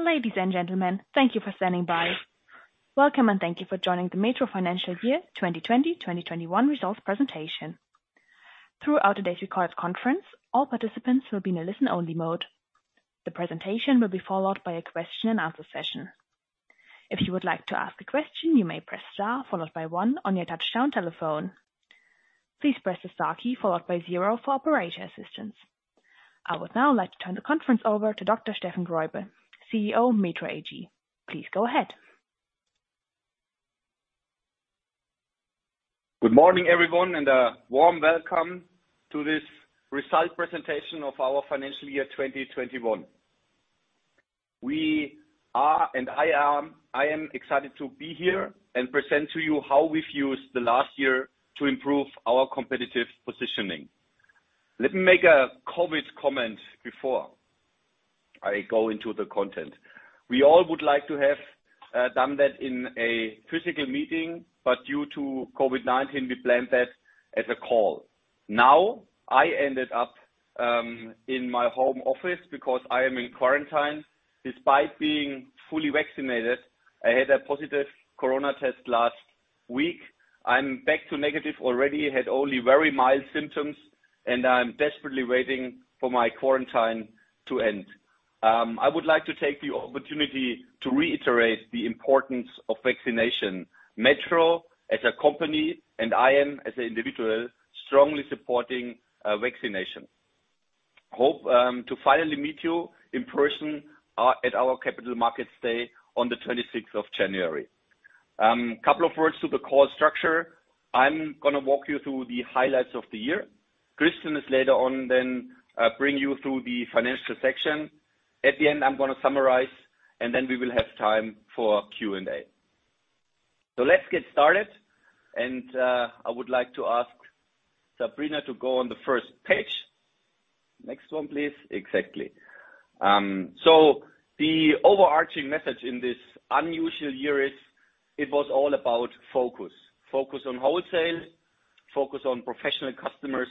Ladies and gentlemen, thank you for standing by. Welcome, and thank you for joining the METRO Financial Year 2020, 2021 results presentation. Throughout today's recorded conference, all participants will be in a listen-only mode. The presentation will be followed by a question-and-answer session. If you would like to ask a question, you may press star followed by one on your touch-tone telephone. Please press the star key followed by zero for operator assistance. I would now like to turn the conference over to Dr. Steffen Greubel, CEO, METRO AG. Please go ahead. Good morning, everyone, and a warm welcome to this result presentation of our financial year 2021. I am excited to be here and present to you how we've used the last year to improve our competitive positioning. Let me make a COVID comment before I go into the content. We all would like to have done that in a physical meeting, but due to COVID-19, we planned that as a call. Now, I ended up in my home office because I am in quarantine. Despite being fully vaccinated, I had a positive Corona test last week. I'm back to negative already, had only very mild symptoms, and I'm desperately waiting for my quarantine to end. I would like to take the opportunity to reiterate the importance of vaccination. METRO, as a company, and I am as an individual, strongly supporting vaccination. Hope to finally meet you in person at our Capital Markets Day on January 26. Couple of words to the call structure. I'm going to walk you through the highlights of the year. Christian is later on, then bring you through the financial section. At the end, I'm going to summarize, and then we will have time for Q&A. Let's get started, and I would like to ask Sabrina to go on the first page. Next one, please. Exactly. The overarching message in this unusual year is it was all about focus. Focus on wholesale, focus on professional customers,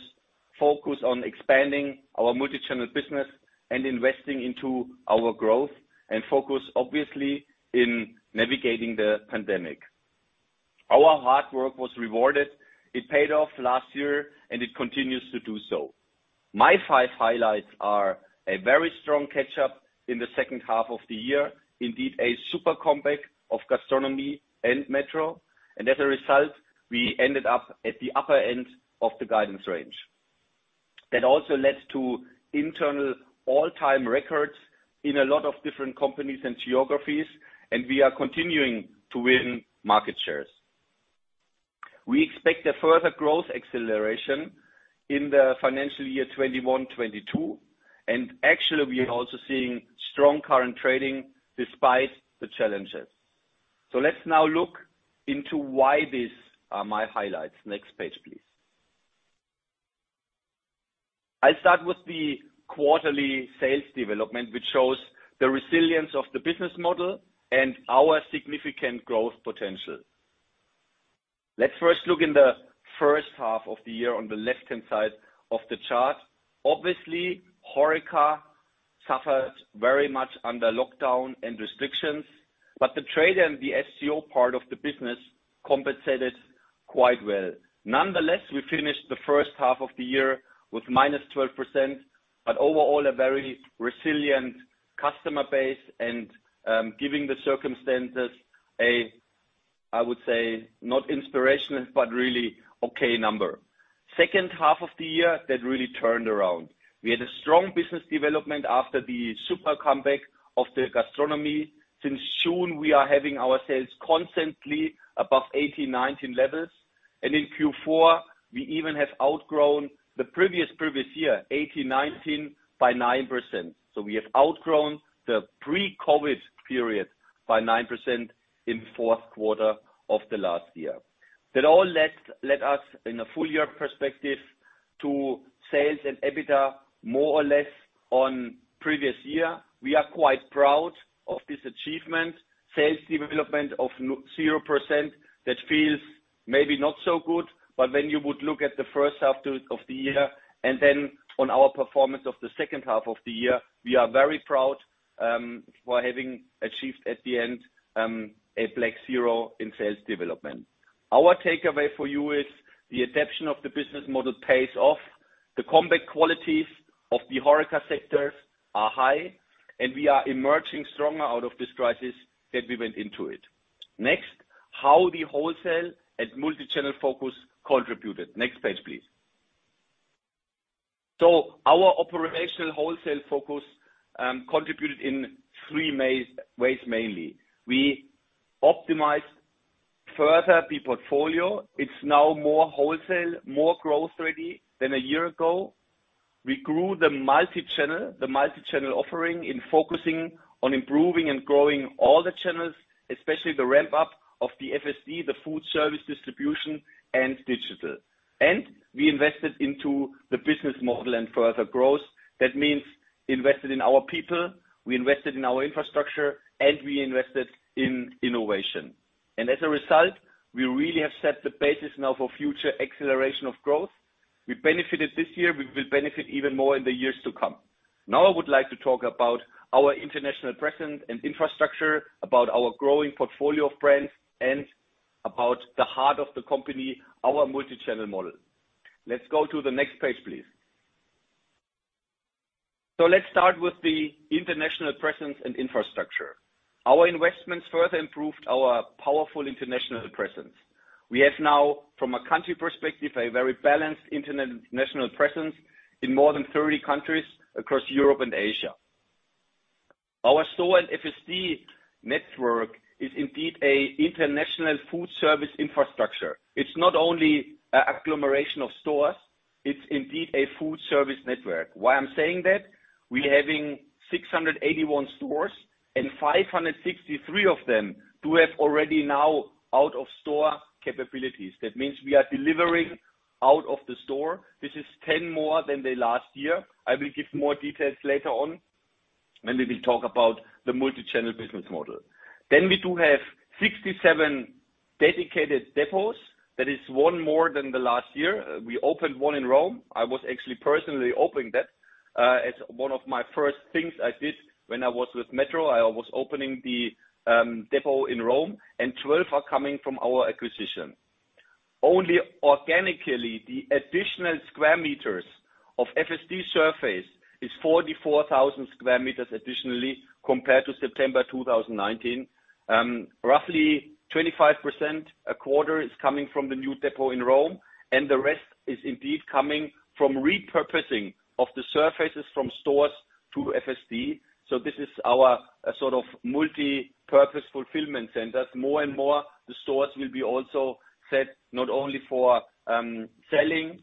focus on expanding our multichannel business and investing into our growth, and focus, obviously, in navigating the pandemic. Our hard work was rewarded. It paid off last year, and it continues to do so. My five highlights are a very strong catch-up in the second half of the year. Indeed, a super comeback of gastronomy and METRO. As a result, we ended up at the upper end of the guidance range. That also led to internal all-time records in a lot of different companies and geographies, and we are continuing to win market shares. We expect a further growth acceleration in the financial year 2021, 2022, and actually, we are also seeing strong current trading despite the challenges. Let's now look into why these are my highlights. Next page, please. I'll start with the quarterly sales development, which shows the resilience of the business model and our significant growth potential. Let's first look in the first half of the year on the left-hand side of the chart. Obviously, HoReCa suffered very much under lockdown and restrictions, but the trade and the FSD part of the business compensated quite well. Nonetheless, we finished the first half of the year with -12%, but overall, a very resilient customer base and, giving the circumstances, I would say, not inspirational, but really okay number. Second half of the year, that really turned around. We had a strong business development after the super comeback of the gastronomy. Since June, we are having our sales constantly above 18-19 levels, and in Q4 we even have outgrown the previous year 18-19 by 9%. So, we have outgrown the pre-COVID period by 9% in the fourth quarter of the last year. That all led us in a full year perspective to sales and EBITDA more or less on previous year. We are quite proud of this achievement. Sales development of 0%, that feels maybe not so good, but when you would look at the first half of the year and then on our performance of the second half of the year, we are very proud for having achieved at the end a black zero in sales development. Our takeaway for you is the adaptation of the business model pays off. The comeback qualities of the HoReCa sectors are high, and we are emerging stronger out of this crisis than we went into it. Next, how the wholesale and multichannel focus contributed. Next page, please. Our operational wholesale focus contributed in three main ways mainly. We optimized further the portfolio. It's now more wholesale, more growth ready than a year ago. We grew the multichannel offering in focusing on improving and growing all the channels, especially the ramp up of the FSD, the food service distribution and digital. We invested into the business model and further growth. That means we invested in our people, we invested in our infrastructure, and we invested in innovation. As a result, we really have set the basis now for future acceleration of growth. We benefited this year, we will benefit even more in the years to come. Now I would like to talk about our international presence and infrastructure, about our growing portfolio of brands, and about the heart of the company, our multi-channel model. Let's go to the next page, please. Let's start with the international presence and infrastructure. Our investments further improved our powerful international presence. We have now, from a country perspective, a very balanced international presence in more than 30 countries across Europe and Asia. Our store and FSD network is indeed an international food service infrastructure. It's not only a conglomeration of stores, it's indeed a food service network. Why I'm saying that? We're having 681 stores, and 563 of them do have already now out-of-store capabilities. That means we are delivering out of the store. This is 10 more than the last year. I will give more details later on when we will talk about the multi-channel business model. We do have 67 dedicated depots. That is one more than the last year. We opened one in Rome. I was actually personally opening that, as one of my first things I did when I was with METRO, I was opening the depot in Rome, and 12 are coming from our acquisition. Only organically, the additional square meters of FSD surface is 44,000 sq m additionally compared to September 2019. Roughly 25% a quarter is coming from the new depot in Rome, and the rest is indeed coming from repurposing of the surfaces from stores to FSD. This is our sort of multi-purpose fulfillment centers. More and more, the stores will be also set not only for selling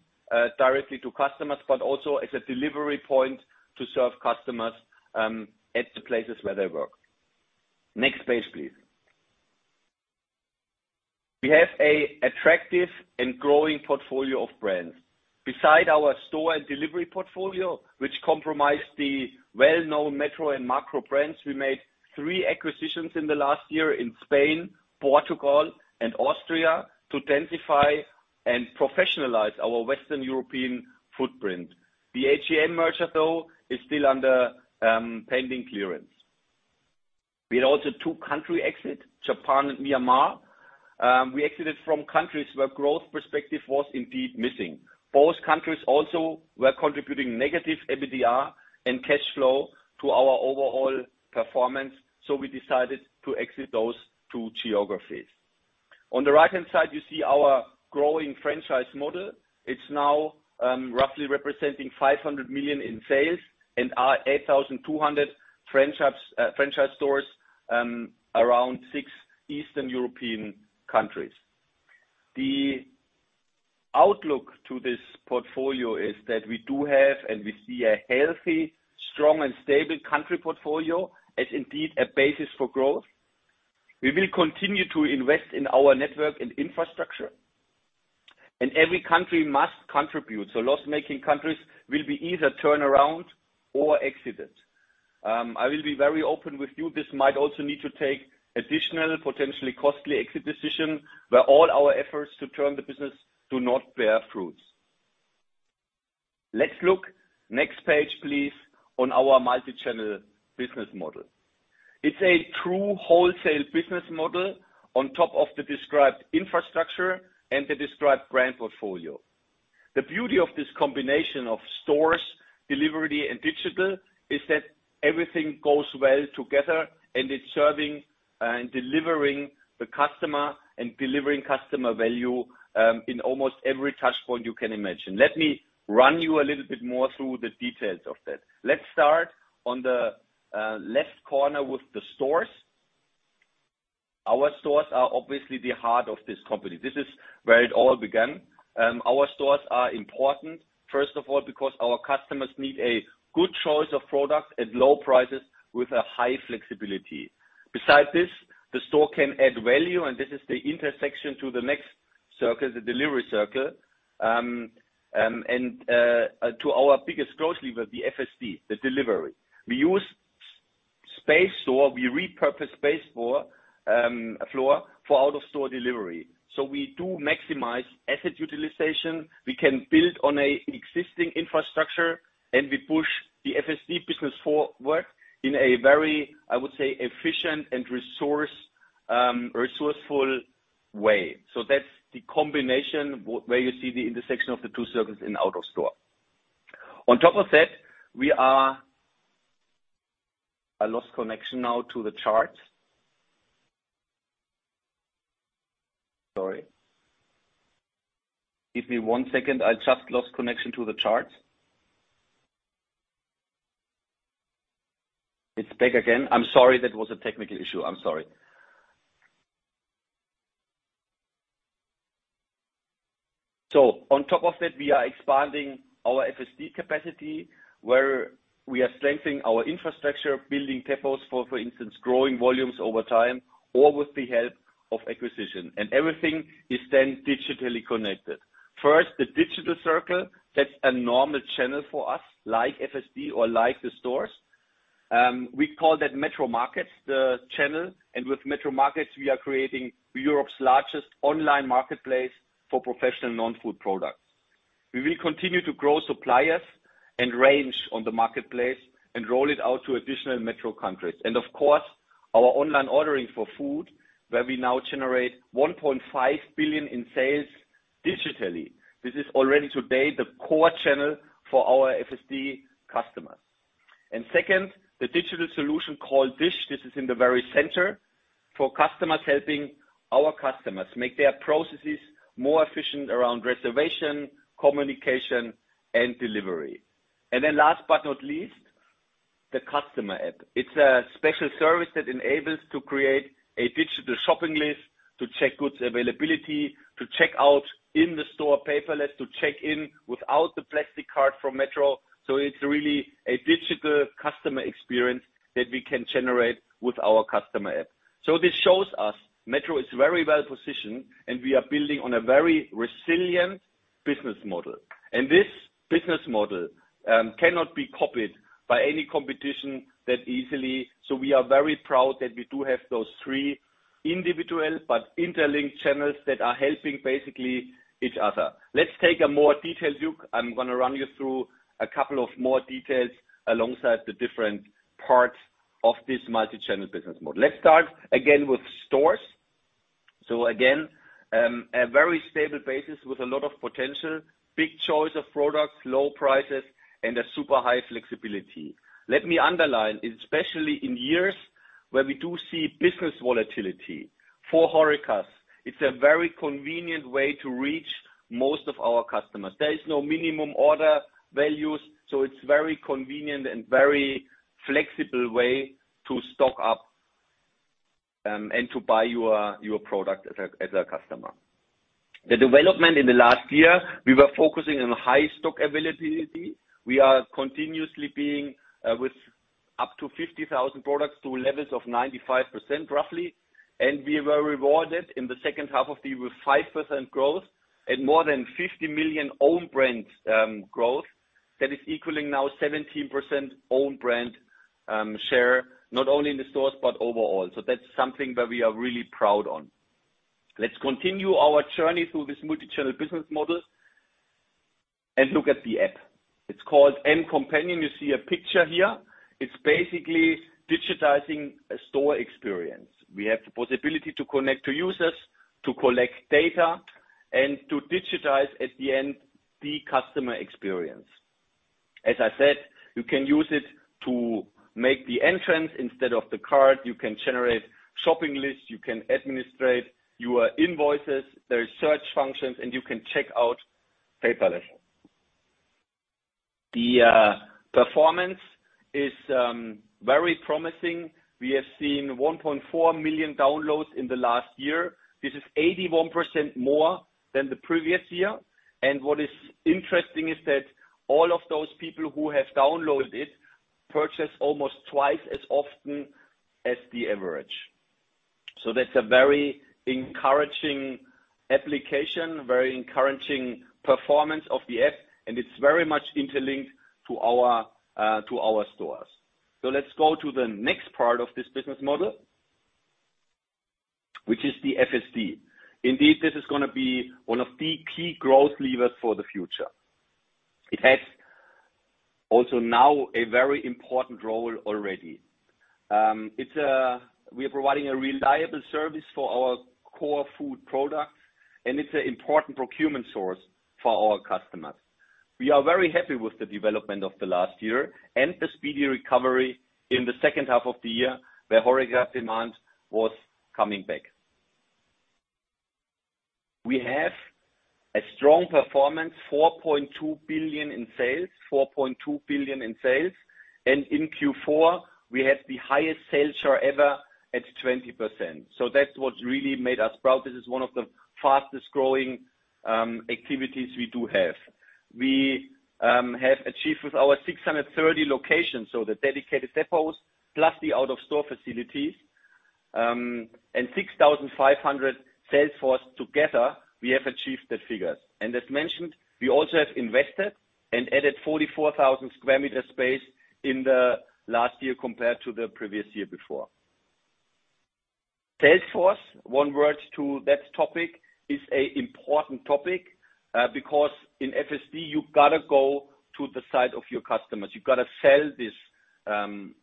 directly to customers, but also as a delivery point to serve customers at the places where they work. Next page, please. We have an attractive and growing portfolio of brands. Besides our store and delivery portfolio, which comprises the well-known METRO and MAKRO brands, we made three acquisitions in the last year in Spain, Portugal, and Austria to densify and professionalize our Western European footprint. The HEM merger, though, is still under pending clearance. We also two country exits, Japan and Myanmar. We exited from countries where growth prospects were indeed missing. Both countries also were contributing negative EBITDA and cash flow to our overall performance, so we decided to exit those two geographies. On the right-hand side, you see our growing franchise model. It's now roughly representing 500 million in sales and 8,200 franchise stores around 6 Eastern European countries. The outlook to this portfolio is that we do have, and we see a healthy, strong and stable country portfolio as indeed a basis for growth. We will continue to invest in our network and infrastructure, and every country must contribute. Loss-making countries will be either turnaround or exited. I will be very open with you, this might also need to take additional, potentially costly exit decision, where all our efforts to turn the business do not bear fruits. Let's look, next page, please, on our multi-channel business model. It's a true wholesale business model on top of the described infrastructure and the described brand portfolio. The beauty of this combination of stores, delivery, and digital is that everything goes well together, and it's serving and delivering the customer and delivering customer value in almost every touch point you can imagine. Let me run you a little bit more through the details of that. Let's start on the left corner with the stores. Our stores are obviously the heart of this company. This is where it all began. Our stores are important, first of all, because our customers need a good choice of products at low prices with a high flexibility. Besides this, the store can add value, and this is the intersection to the next circle, the delivery circle, to our biggest growth lever, the FSD, the delivery. We use store space, we repurpose space for out-of-store delivery. We do maximize asset utilization. We can build on an existing infrastructure, and we push the FSD business forward in a very, I would say, efficient and resourceful way. That's the combination where you see the intersection of the two circles in out-of-store. On top of that, I lost connection now to the charts. Sorry. Give me one second. I just lost connection to the charts. It's back again. I'm sorry, that was a technical issue. I'm sorry. On top of that, we are expanding our FSD capacity, where we are strengthening our infrastructure, building depots, for instance, growing volumes over time or with the help of acquisition. Everything is then digitally connected. First, the digital circle, that's a normal channel for us, like FSD or like the stores. We call that METRO MARKETS, the channel. With METRO MARKETS, we are creating Europe's largest online marketplace for professional non-food products. We will continue to grow suppliers and range on the marketplace and roll it out to additional METRO countries. Of course, our online ordering for food, where we now generate 1.5 billion in sales digitally. This is already today the core channel for our FSD customers. Second, the digital solution called DISH. This is in the very center for customers, helping our customers make their processes more efficient around reservation, communication, and delivery. Last but not least, the customer app. It's a special service that enables to create a digital shopping list, to check goods availability, to check out in the store paperless, to check in without the plastic card from METRO. It's really a digital customer experience that we can generate with our customer app. This shows us METRO is very well-positioned, and we are building on a very resilient business model. This business model cannot be copied by any competition that easily. We are very proud that we do have those three individual but interlinked channels that are helping basically each other. Let's take a more detailed look. I'm going to run you through a couple of more details alongside the different parts of this multichannel business model. Let's start again with stores. Again, a very stable basis with a lot of potential, big choice of products, low prices, and a super high flexibility. Let me underline especially in years where we do see business volatility. For HoReCa, it's a very convenient way to reach most of our customers. There is no minimum order values, so it's a very convenient and very flexible way to stock up and to buy your product as a customer. The development in the last year, we were focusing on high stock availability. We are continuously achieving with up to 50,000 products to levels of 95%, roughly. We were rewarded in the second half of the year with 5% growth at more than 50 million own brands, growth. That is equaling now 17% own brand share, not only in the stores but overall. That's something that we are really proud on. Let's continue our journey through this multichannel business model and look at the app. It's called METRO Companion. You see a picture here. It's basically digitizing a store experience. We have the possibility to connect to users, to collect data, and to digitize, at the end, the customer experience. As I said, you can use it to make the entrance instead of the card, you can generate shopping lists, you can administrate your invoices, there is search functions, and you can check out paperless. The performance is very promising. We have seen 1.4 million downloads in the last year. This is 81% more than the previous year. What is interesting is that all of those people who have downloaded it purchase almost twice as often as the average. That's a very encouraging application, very encouraging performance of the app, and it's very much interlinked to our to our stores. Let's go to the next part of this business model, which is the FSD. Indeed, this is going to be one of the key growth levers for the future. It has also now a very important role already. We are providing a reliable service for our core food products, and it's an important procurement source for our customers. We are very happy with the development of the last year and the speedy recovery in the second half of the year, where HoReCa demand was coming back. We have a strong performance, 4.2 billion in sales. In Q4, we had the highest sales share ever at 20%. That's what really made us proud. This is one of the fastest-growing activities we do have. We have achieved with our 630 locations, so the dedicated depots plus the out-of-store facilities, and 6,500 sales force together, we have achieved the figures. As mentioned, we also have invested and added 44,000 sq m space in the last year compared to the previous year before. Sales force, one word to that topic, is an important topic because in FSD, you've got to go to the site of your customers. You've got to sell these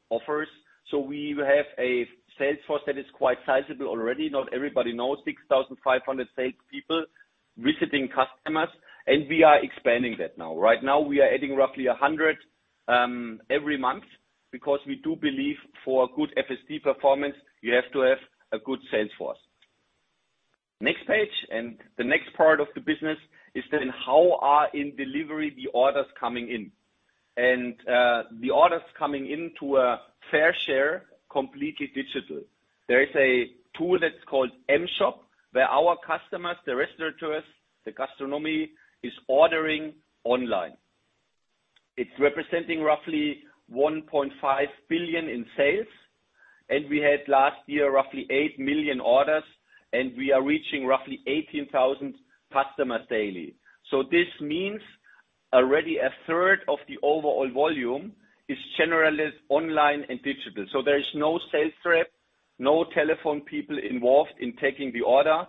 offers. We have a sales force that is quite sizable already. Not everybody knows 6,500 sales people visiting customers, and we are expanding that now. Right now, we are adding roughly 100 every month because we do believe for good FSD performance, you have to have a good sales force. Next page, the next part of the business is then how the delivery orders are coming in. The orders coming in to a fair share completely digital. There is a tool that's called M.Shop, where our customers, the restaurateurs, the gastronomy, is ordering online. It's representing roughly 1.5 billion in sales. We had last year roughly 8 million orders, and we are reaching roughly 18,000 customers daily. This means already a third of the overall volume is generally online and digital. There is no sales rep, no telephone people involved in taking the order.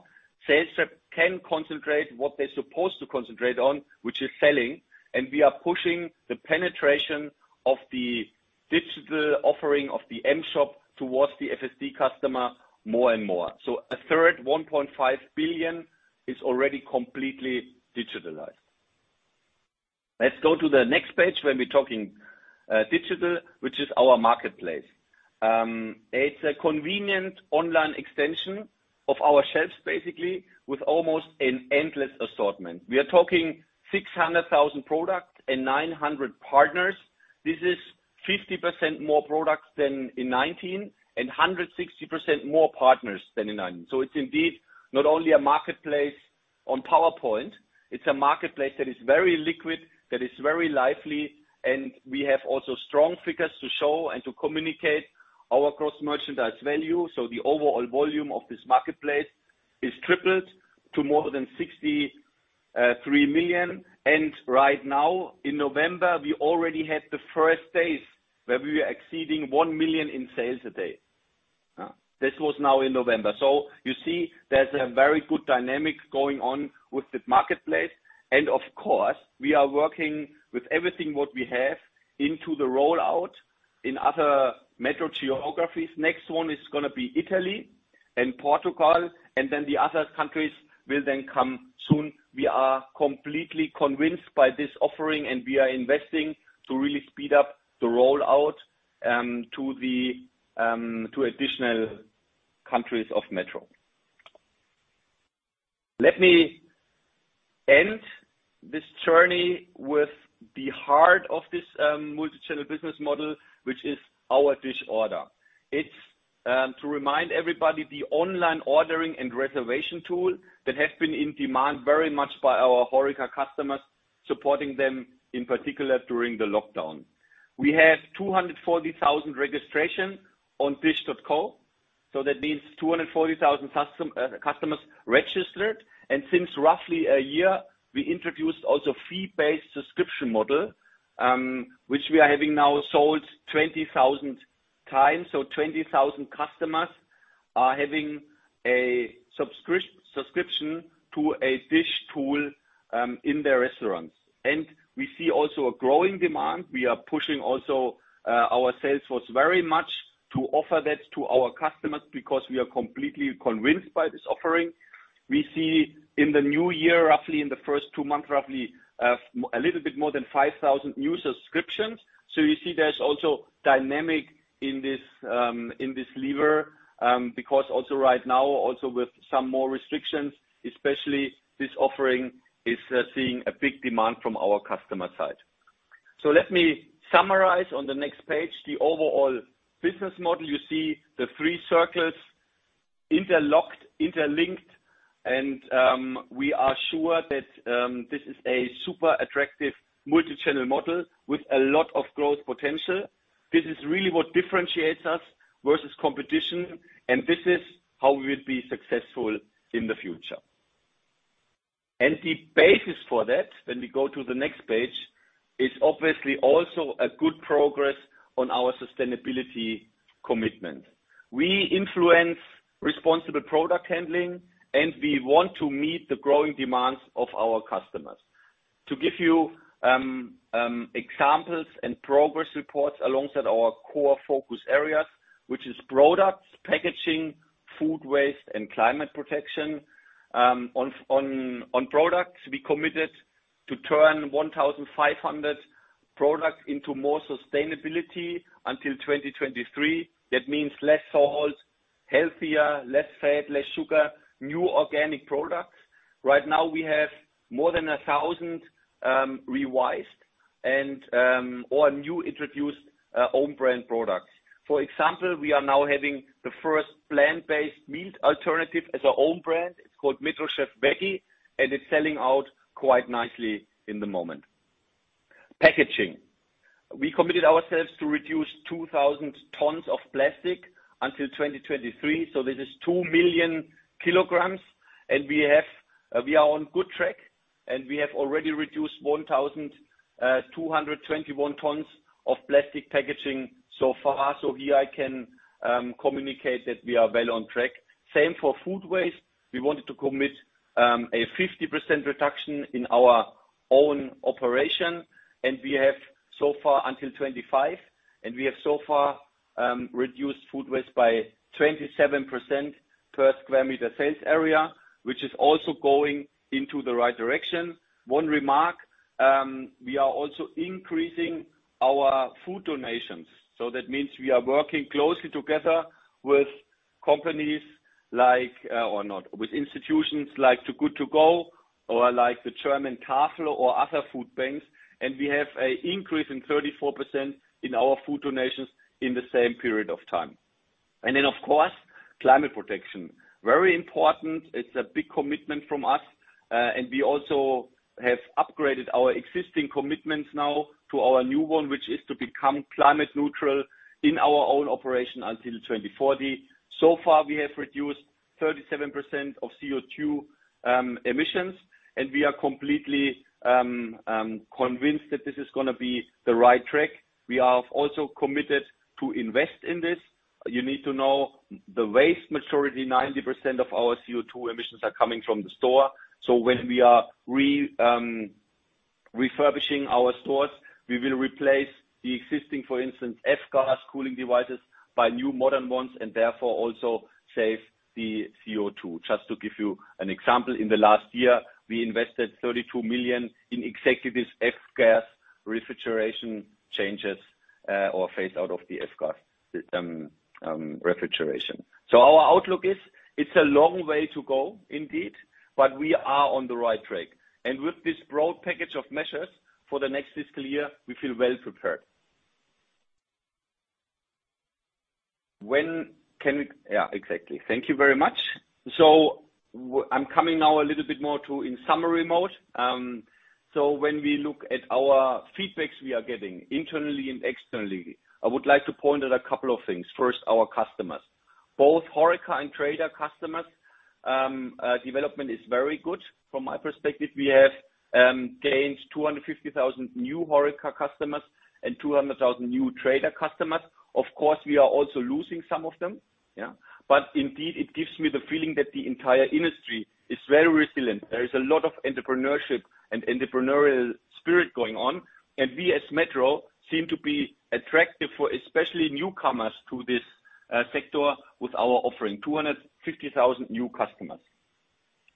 Sales rep can concentrate what they're supposed to concentrate on, which is selling. We are pushing the penetration of the digital offering of the M.Shop towards the FSD customer more and more. A third, 1.5 billion, is already completely digitalized. Let's go to the next page when we're talking digital, which is our marketplace. It's a convenient online extension of our shelves, basically, with almost an endless assortment. We are talking 600,000 products and 900 partners. This is 50% more products than in 2019, and 160% more partners than in 2019. It's indeed not only a marketplace on PowerPoint, it's a marketplace that is very liquid, that is very lively, and we have also strong figures to show and to communicate our gross merchandise value. The overall volume of this marketplace is tripled to more than 63 million. Right now, in November, we already had the first days where we were exceeding 1 million in sales a day. This was now in November. You see there's a very good dynamic going on with the marketplace. Of course, we are working with everything what we have into the rollout in other METRO geographies. Next one is going to be Italy and Portugal, and then the other countries will then come soon. We are completely convinced by this offering, and we are investing to really speed up the rollout to additional countries of METRO. Let me end this journey with the heart of this multi-channel business model, which is our DISH Order. It's to remind everybody, the online ordering and reservation tool that has been in demand very much by our HoReCa customers, supporting them, in particular, during the lockdown. We have 240,000 registrations on dish.co, so that means 240,000 customers registered. Since roughly a year, we introduced also fee-based subscription model, which we are having now sold 20,000 times. 20,000 customers are having a subscription to a DISH tool in their restaurants. We see also a growing demand. We are pushing also our sales force very much to offer that to our customers because we are completely convinced by this offering. We see in the new year, roughly in the first two months, roughly, a little bit more than 5,000 new subscriptions. You see there's also dynamic in this lever because also right now, also with some more restrictions, especially this offering is seeing a big demand from our customer side. Let me summarize on the next page the overall business model. You see the three circles interlocked, interlinked, and we are sure that this is a super attractive multi-channel model with a lot of growth potential. This is really what differentiates us versus competition, and this is how we will be successful in the future. The basis for that, when we go to the next page, is obviously also a good progress on our sustainability commitment. We influence responsible product handling, and we want to meet the growing demands of our customers. To give you examples and progress reports alongside our core focus areas, which is products, packaging, food waste, and climate protection. On products, we committed to turn 1,500 products into more sustainability until 2023. That means less salt, healthier, less fat, less sugar, new organic products. Right now, we have more than 1,000 revised and or new introduced own brand products. For example, we are now having the first plant-based meat alternative as our own brand. It's called METRO Chef Veggie, and it's selling out quite nicely in the moment. Packaging. We committed ourselves to reduce 2,000 tons of plastic until 2023, so this is 2 million kilograms. We are on good track, and we have already reduced 1,221 tons of plastic packaging so far. Here I can communicate that we are well on track. Same for food waste. We wanted to commit a 50% reduction in our own operation, and we have so far until 2025, and we have so far reduced food waste by 27% per sq m sales area, which is also going into the right direction. One remark, we are also increasing our food donations. That means we are working closely together with companies like, or not, with institutions like Too Good To Go or like the German Tafel or other food banks. We have an increase in 34% in our food donations in the same period of time. Then of course, climate protection. Very important. It's a big commitment from us, and we also have upgraded our existing commitments now to our new one, which is to become climate neutral in our own operation until 2040. So far, we have reduced 37% of CO₂ emissions, and we are completely convinced that this is going to be the right track. We are also committed to invest in this. You need to know the vast majority, 90% of our CO₂ emissions are coming from the store. When we are refurbishing our stores, we will replace the existing, for instance, F-gas cooling devices by new modern ones and therefore also save the CO₂. Just to give you an example, in the last year, we invested 32 million in exactly this F-gas refrigeration changes, or phase out of the F-gas refrigeration. Our outlook is it's a long way to go indeed, but we are on the right track. With this broad package of measures for the next fiscal year, we feel well prepared. When can we? Yeah, exactly. Thank you very much. I'm coming now a little bit more to in summary mode. When we look at our feedbacks we are getting internally and externally, I would like to point at a couple of things. First, our customers. Both HoReCa and Traders customers, development is very good from my perspective. We have gained 250,000 new HoReCa customers and 200,000 new Traders customers. Of course, we are also losing some of them, yeah. Indeed, it gives me the feeling that the entire industry is very resilient. There is a lot of entrepreneurship and entrepreneurial spirit going on, and we as METRO seem to be attractive for especially newcomers to this sector with our offering, 250,000 new customers.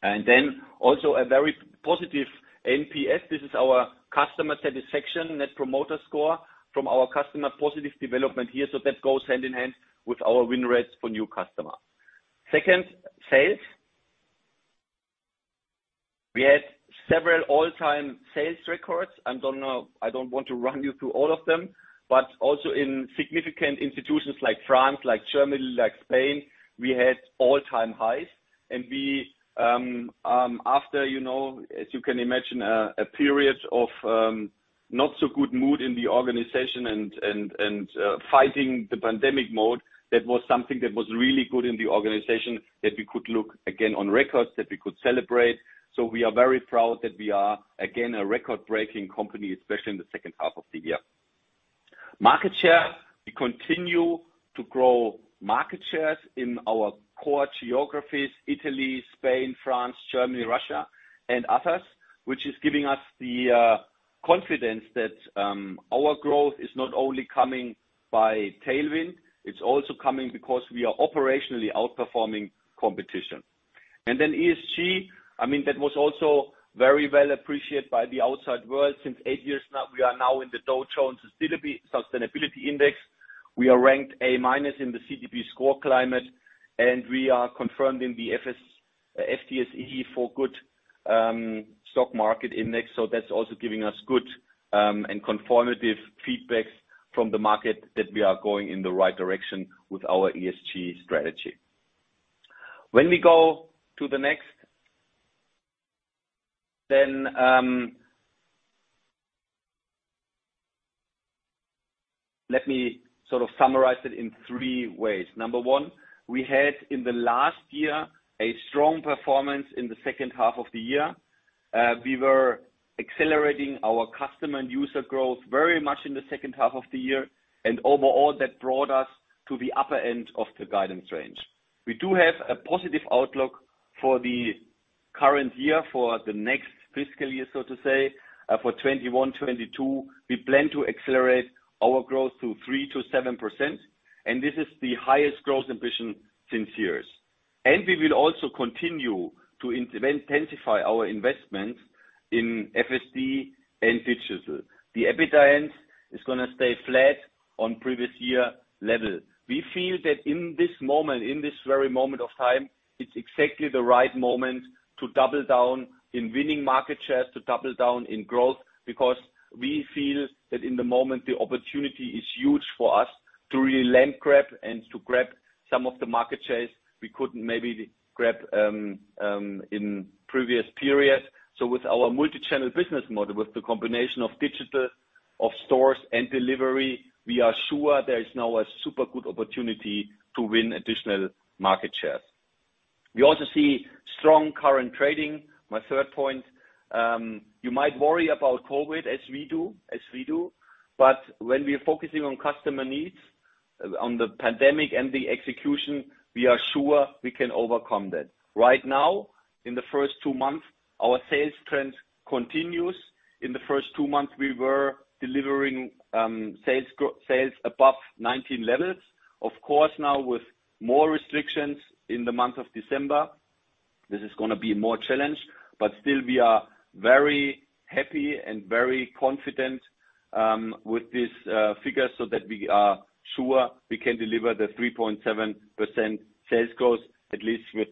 Then also a very positive NPS. This is our customer satisfaction Net Promoter Score from our customer positive development here, so that goes hand in hand with our win rates for new customer. Second, sales. We had several all-time sales records. I don't want to run you through all of them, but also in significant institutions like France, like Germany, like Spain, we had all-time highs. We after, you know, as you can imagine, a period of not so good mood in the organization and fighting the pandemic mode, that was something that was really good in the organization that we could look again on records, that we could celebrate. We are very proud that we are again a record-breaking company, especially in the second half of the year. Market share. We continue to grow market shares in our core geographies, Italy, Spain, France, Germany, Russia, and others, which is giving us the confidence that our growth is not only coming by tailwind, it's also coming because we are operationally outperforming competition. Then ESG, I mean, that was also very well appreciated by the outside world. Since eight years now, we are now in the Dow Jones Sustainability Index. We are ranked A- in the CDP climate score, and we are confirmed in the FTSE4Good stock market index. That's also giving us good and confirmative feedbacks from the market that we are going in the right direction with our ESG strategy. Let me sort of summarize it in three ways. Number one, we had in the last year a strong performance in the second half of the year. We were accelerating our customer and user growth very much in the second half of the year, and overall that brought us to the upper end of the guidance range. We do have a positive outlook for the current year, for the next fiscal year, so to say. For 2021-2022, we plan to accelerate our growth to 3%-7%, and this is the highest growth ambition in years. We will also continue to intensify our investments in FSD and digital. The EBITDA end is going to stay flat on previous year level. We feel that in this moment, in this very moment of time, it's exactly the right moment to double down in winning market shares, to double down in growth, because we feel that in the moment the opportunity is huge for us to really land grab and to grab some of the market shares we couldn't maybe grab in previous periods. With our multichannel business model, with the combination of digital, of stores, and delivery, we are sure there is now a super good opportunity to win additional market shares. We also see strong current trading. My third point, you might worry about COVID as we do, but when we're focusing on customer needs, on the pandemic and the execution, we are sure we can overcome that. Right now, in the first two months, our sales trends continues. In the first two months, we were delivering sales above 2019 levels. Of course, now with more restrictions in the month of December, this is going be more challenged. But still, we are very happy and very confident with this figure so that we are sure we can deliver the 3.7% sales growth, at least with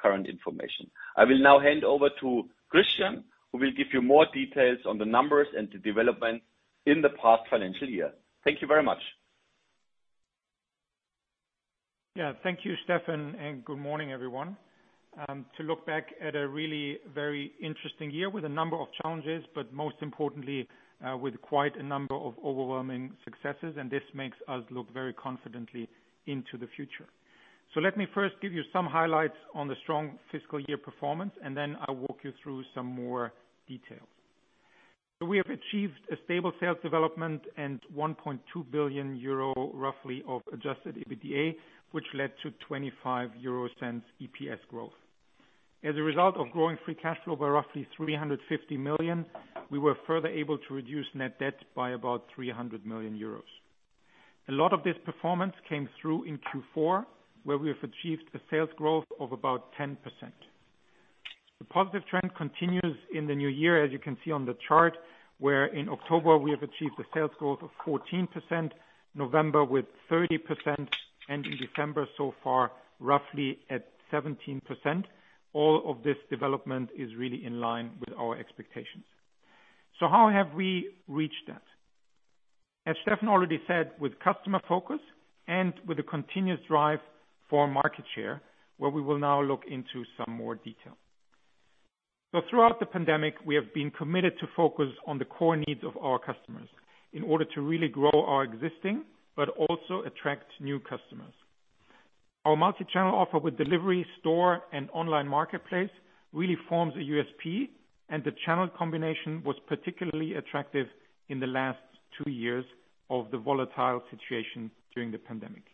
current information. I will now hand over to Christian, who will give you more details on the numbers and the development in the past financial year. Thank you very much. Yeah, thank you, Steffen, and good morning, everyone. To look back at a really very interesting year with a number of challenges, but most importantly, with quite a number of overwhelming successes, and this makes us look very confidently into the future. Let me first give you some highlights on the strong fiscal year performance, and then I'll walk you through some more details. We have achieved a stable sales development and 1.2 billion euro, roughly, of adjusted EBITDA, which led to 0.25 EPS growth. As a result of growing free cash flow by roughly 350 million, we were further able to reduce net debt by about 300 million euros. A lot of this performance came through in Q4, where we have achieved a sales growth of about 10%. The positive trend continues in the new year, as you can see on the chart, where in October we have achieved a sales growth of 14%, November with 30%, and in December so far, roughly at 17%. All of this development is really in line with our expectations. How have we reached that? As Steffen already said, with customer focus and with a continuous drive for market share, where we will now look into some more detail. Throughout the pandemic, we have been committed to focus on the core needs of our customers in order to really grow our existing but also attract new customers. Our multichannel offer with delivery, store, and online marketplace really forms a USP, and the channel combination was particularly attractive in the last two years of the volatile situation during the pandemic.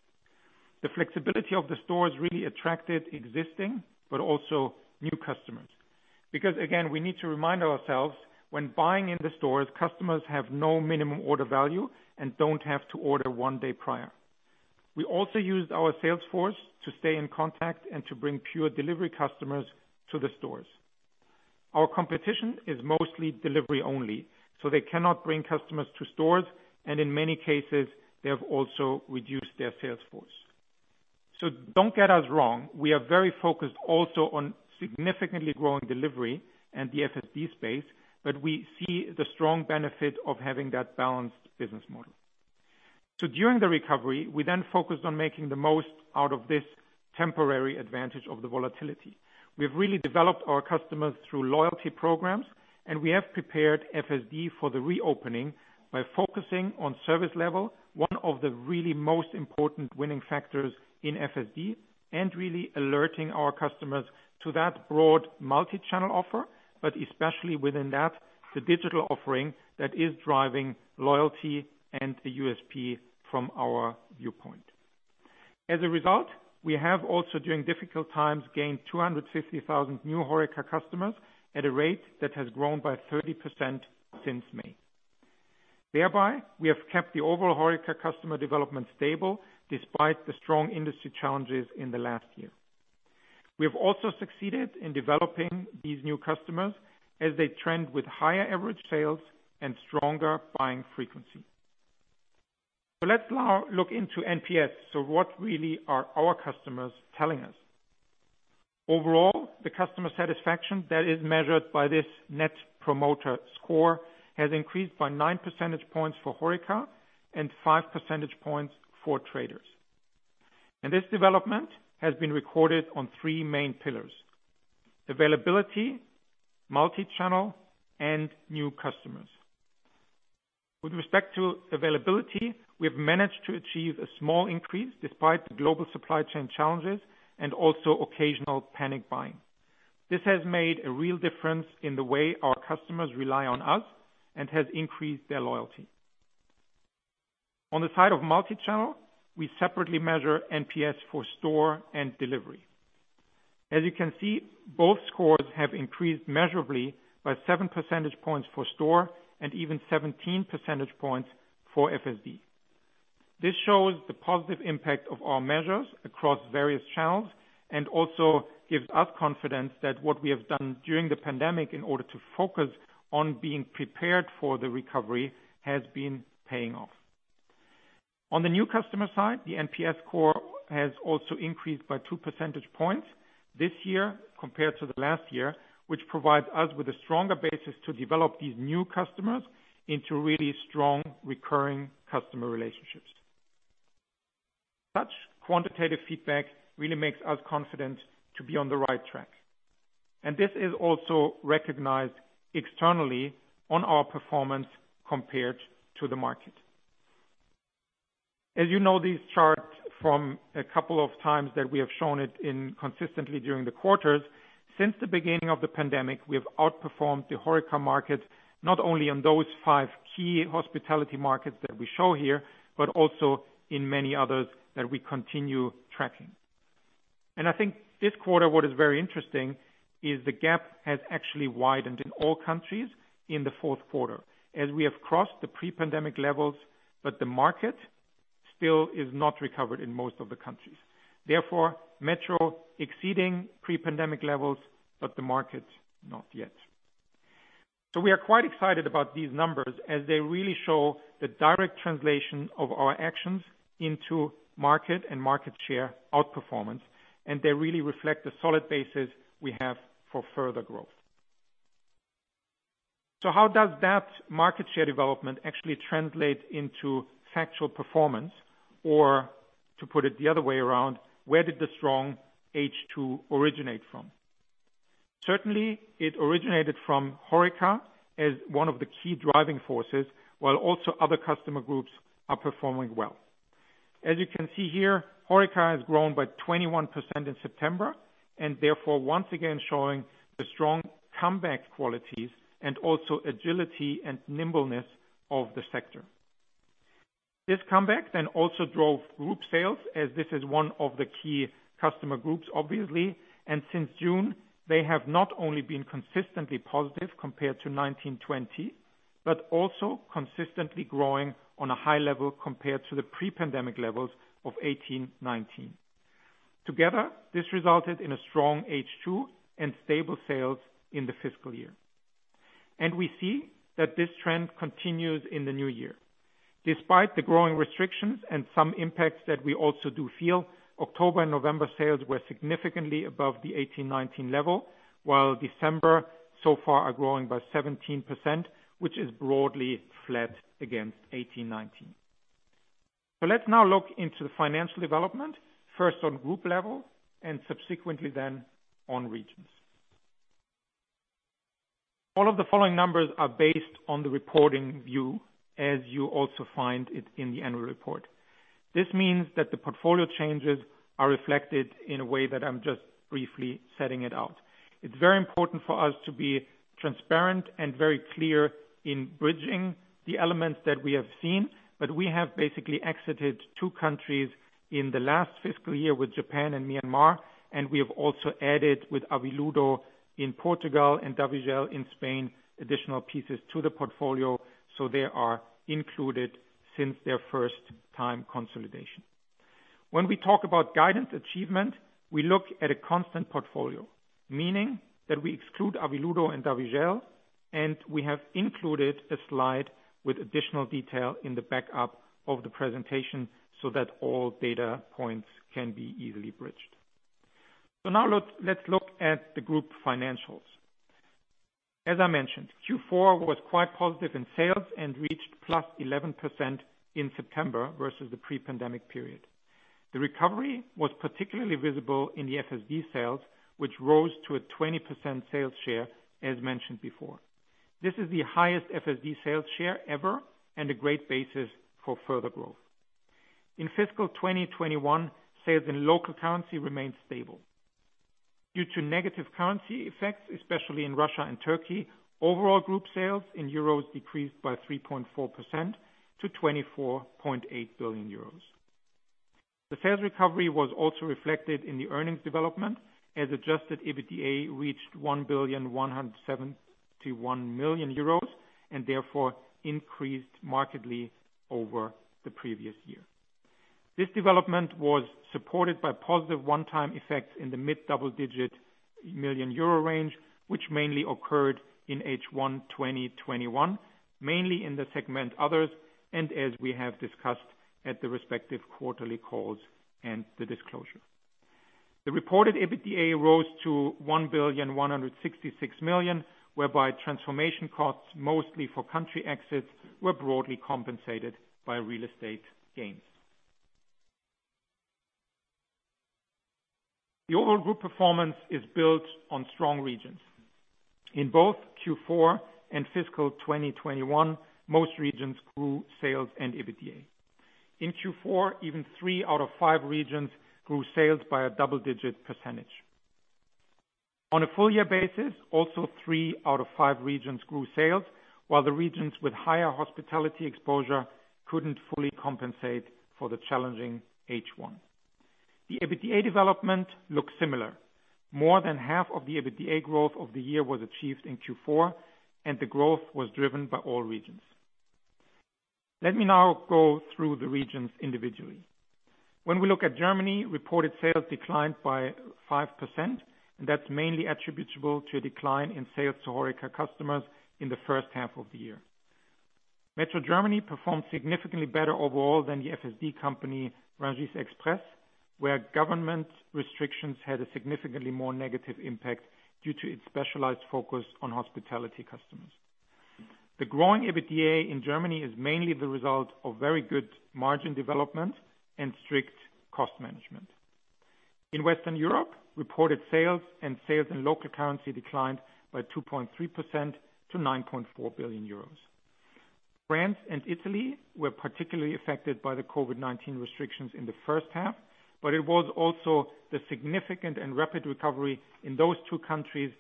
The flexibility of the stores really attracted existing but also new customers. Because again, we need to remind ourselves, when buying in the stores, customers have no minimum order value and don't have to order one day prior. We also used our sales force to stay in contact and to bring pure delivery customers to the stores. Our competition is mostly delivery only, so they cannot bring customers to stores, and in many cases, they have also reduced their sales force. Don't get us wrong, we are very focused also on significantly growing delivery and the FSD space, but we see the strong benefit of having that balanced business model. During the recovery, we then focused on making the most out of this temporary advantage of the volatility. We've really developed our customers through loyalty programs, and we have prepared FSD for the reopening by focusing on service level, one of the really most important winning factors in FSD, and really alerting our customers to that broad multichannel offer, but especially within that, the digital offering that is driving loyalty and the USP from our viewpoint. As a result, we have also, during difficult times, gained 250,000 new HoReCa customers at a rate that has grown by 30% since May. Thereby, we have kept the overall HoReCa customer development stable despite the strong industry challenges in the last year. We have also succeeded in developing these new customers as they trend with higher average sales and stronger buying frequency. Let's now look into NPS. What really are our customers telling us? Overall, the customer satisfaction that is measured by this Net Promoter Score has increased by 9 percentage points for HoReCa and 5 percentage points for Traders. This development has been recorded on 3 main pillars, availability, multichannel, and new customers. With respect to availability, we have managed to achieve a small increase despite the global supply chain challenges and also occasional panic buying. This has made a real difference in the way our customers rely on us and has increased their loyalty. On the side of multichannel, we separately measure NPS for store and delivery. As you can see, both scores have increased measurably by 7 percentage points for store and even 17 percentage points for FSD. This shows the positive impact of our measures across various channels and also gives us confidence that what we have done during the pandemic in order to focus on being prepared for the recovery has been paying off. On the new customer side, the NPS score has also increased by 2 percentage points this year compared to the last year, which provides us with a stronger basis to develop these new customers into really strong recurring customer relationships. Such quantitative feedback really makes us confident to be on the right track, and this is also recognized externally on our performance compared to the market. As you know, these charts from a couple of times that we have shown it in consistently during the quarters. Since the beginning of the pandemic, we have outperformed the HoReCa markets, not only on those five key hospitality markets that we show here, but also in many others that we continue tracking. I think this quarter, what is very interesting is the gap has actually widened in all countries in the fourth quarter as we have crossed the pre-pandemic levels, but the market still is not recovered in most of the countries. Therefore, METRO exceeding pre-pandemic levels, but the market, not yet. We are quite excited about these numbers as they really show the direct translation of our actions into market and market share outperformance, and they really reflect the solid basis we have for further growth. How does that market share development actually translate into factual performance? Or to put it the other way around, where did the strong H2 originate from? Certainly, it originated from HoReCa as one of the key driving forces, while also other customer groups are performing well. As you can see here, HoReCa has grown by 21% in September, and therefore once again showing the strong comeback qualities and also agility and nimbleness of the sector. This comeback then also drove group sales, as this is one of the key customer groups, obviously, and since June, they have not only been consistently positive compared to 2019-2020, but also consistently growing on a high level compared to the pre-pandemic levels of 2018-2019. Together, this resulted in a strong H2 and stable sales in the fiscal year. We see that this trend continues in the new year. Despite the growing restrictions and some impacts that we also do feel, October and November sales were significantly above the 2018-2019 level, while December so far are growing by 17%, which is broadly flat against 2018-2019. Let's now look into the financial development, first on group level and subsequently then on regions. All of the following numbers are based on the reporting view, as you also find it in the annual report. This means that the portfolio changes are reflected in a way that I'm just briefly setting it out. It's very important for us to be transparent and very clear in bridging the elements that we have seen, but we have basically exited two countries in the last fiscal year with Japan and Myanmar, and we have also added with Aviludo in Portugal and Davigel in Spain, additional pieces to the portfolio, so they are included since their first time consolidation. When we talk about guidance achievement, we look at a constant portfolio, meaning that we exclude Aviludo and Davigel, and we have included a slide with additional detail in the backup of the presentation so that all data points can be easily bridged. Now let's look at the group financials. As I mentioned, Q4 was quite positive in sales and reached +11% in September versus the pre-pandemic period. The recovery was particularly visible in the FSD sales, which rose to a 20% sales share, as mentioned before. This is the highest FSD sales share ever and a great basis for further growth. In fiscal 2021, sales in local currency remained stable. Due to negative currency effects, especially in Russia and Turkey, overall group sales in EUR decreased by 3.4% to 24.8 billion euros. The sales recovery was also reflected in the earnings development as adjusted EBITDA reached 1.171 billion euros and therefore increased markedly over the previous year. This development was supported by positive one-time effects in the mid-double-digit million euro range, which mainly occurred in H1 2021, mainly in the segment others, and as we have discussed at the respective quarterly calls and the disclosure. The reported EBITDA rose to 1,166 million, whereby transformation costs, mostly for country exits, were broadly compensated by real estate gains. The overall group performance is built on strong regions. In both Q4 and fiscal 2021, most regions grew sales and EBITDA. In Q4, even three out of five regions grew sales by a double-digit percentage. On a full year basis, also three out of five regions grew sales, while the regions with higher hospitality exposure couldn't fully compensate for the challenging H1. The EBITDA development looks similar. More than half of the EBITDA growth of the year was achieved in Q4, and the growth was driven by all regions. Let me now go through the regions individually. When we look at Germany, reported sales declined by 5%, and that's mainly attributable to a decline in sales to HoReCa customers in the first half of the year. METRO Germany performed significantly better overall than the FSD company, Rungis Express, where government restrictions had a significantly more negative impact due to its specialized focus on hospitality customers. The growing EBITDA in Germany is mainly the result of very good margin development and strict cost management. In Western Europe, reported sales and sales in local currency declined by 2.3% to 9.4 billion euros. France and Italy were particularly affected by the COVID-19 restrictions in the first half, but it was also the significant and rapid recovery in those two countries,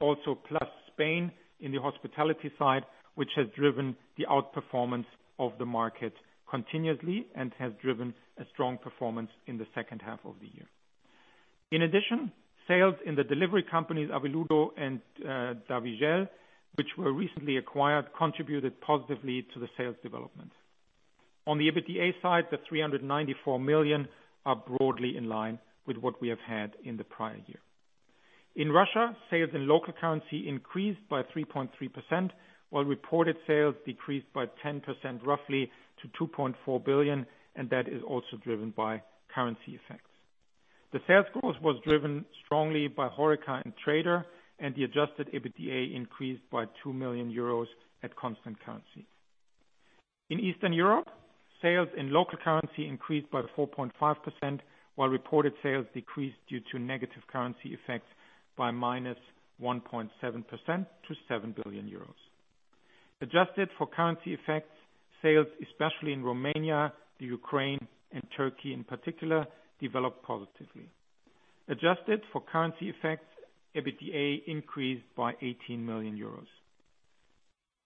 also plus Spain in the hospitality side, which has driven the outperformance of the market continuously and has driven a strong performance in the second half of the year. In addition, sales in the delivery companies, Aviludo and Davigel, which were recently acquired, contributed positively to the sales development. On the EBITDA side, 394 million are broadly in line with what we have had in the prior year. In Russia, sales in local currency increased by 3.3%, while reported sales decreased by 10% roughly to 2.4 billion, and that is also driven by currency effects. The sales growth was driven strongly by HoReCa and Traders, and the adjusted EBITDA increased by 2 million euros at constant currency. In Eastern Europe, sales in local currency increased by 4.5%, while reported sales decreased due to negative currency effects by -1.7% to 7 billion euros. Adjusted for currency effects, sales, especially in Romania, Ukraine, and Turkey in particular, developed positively. Adjusted for currency effects, EBITDA increased by 18 million euros.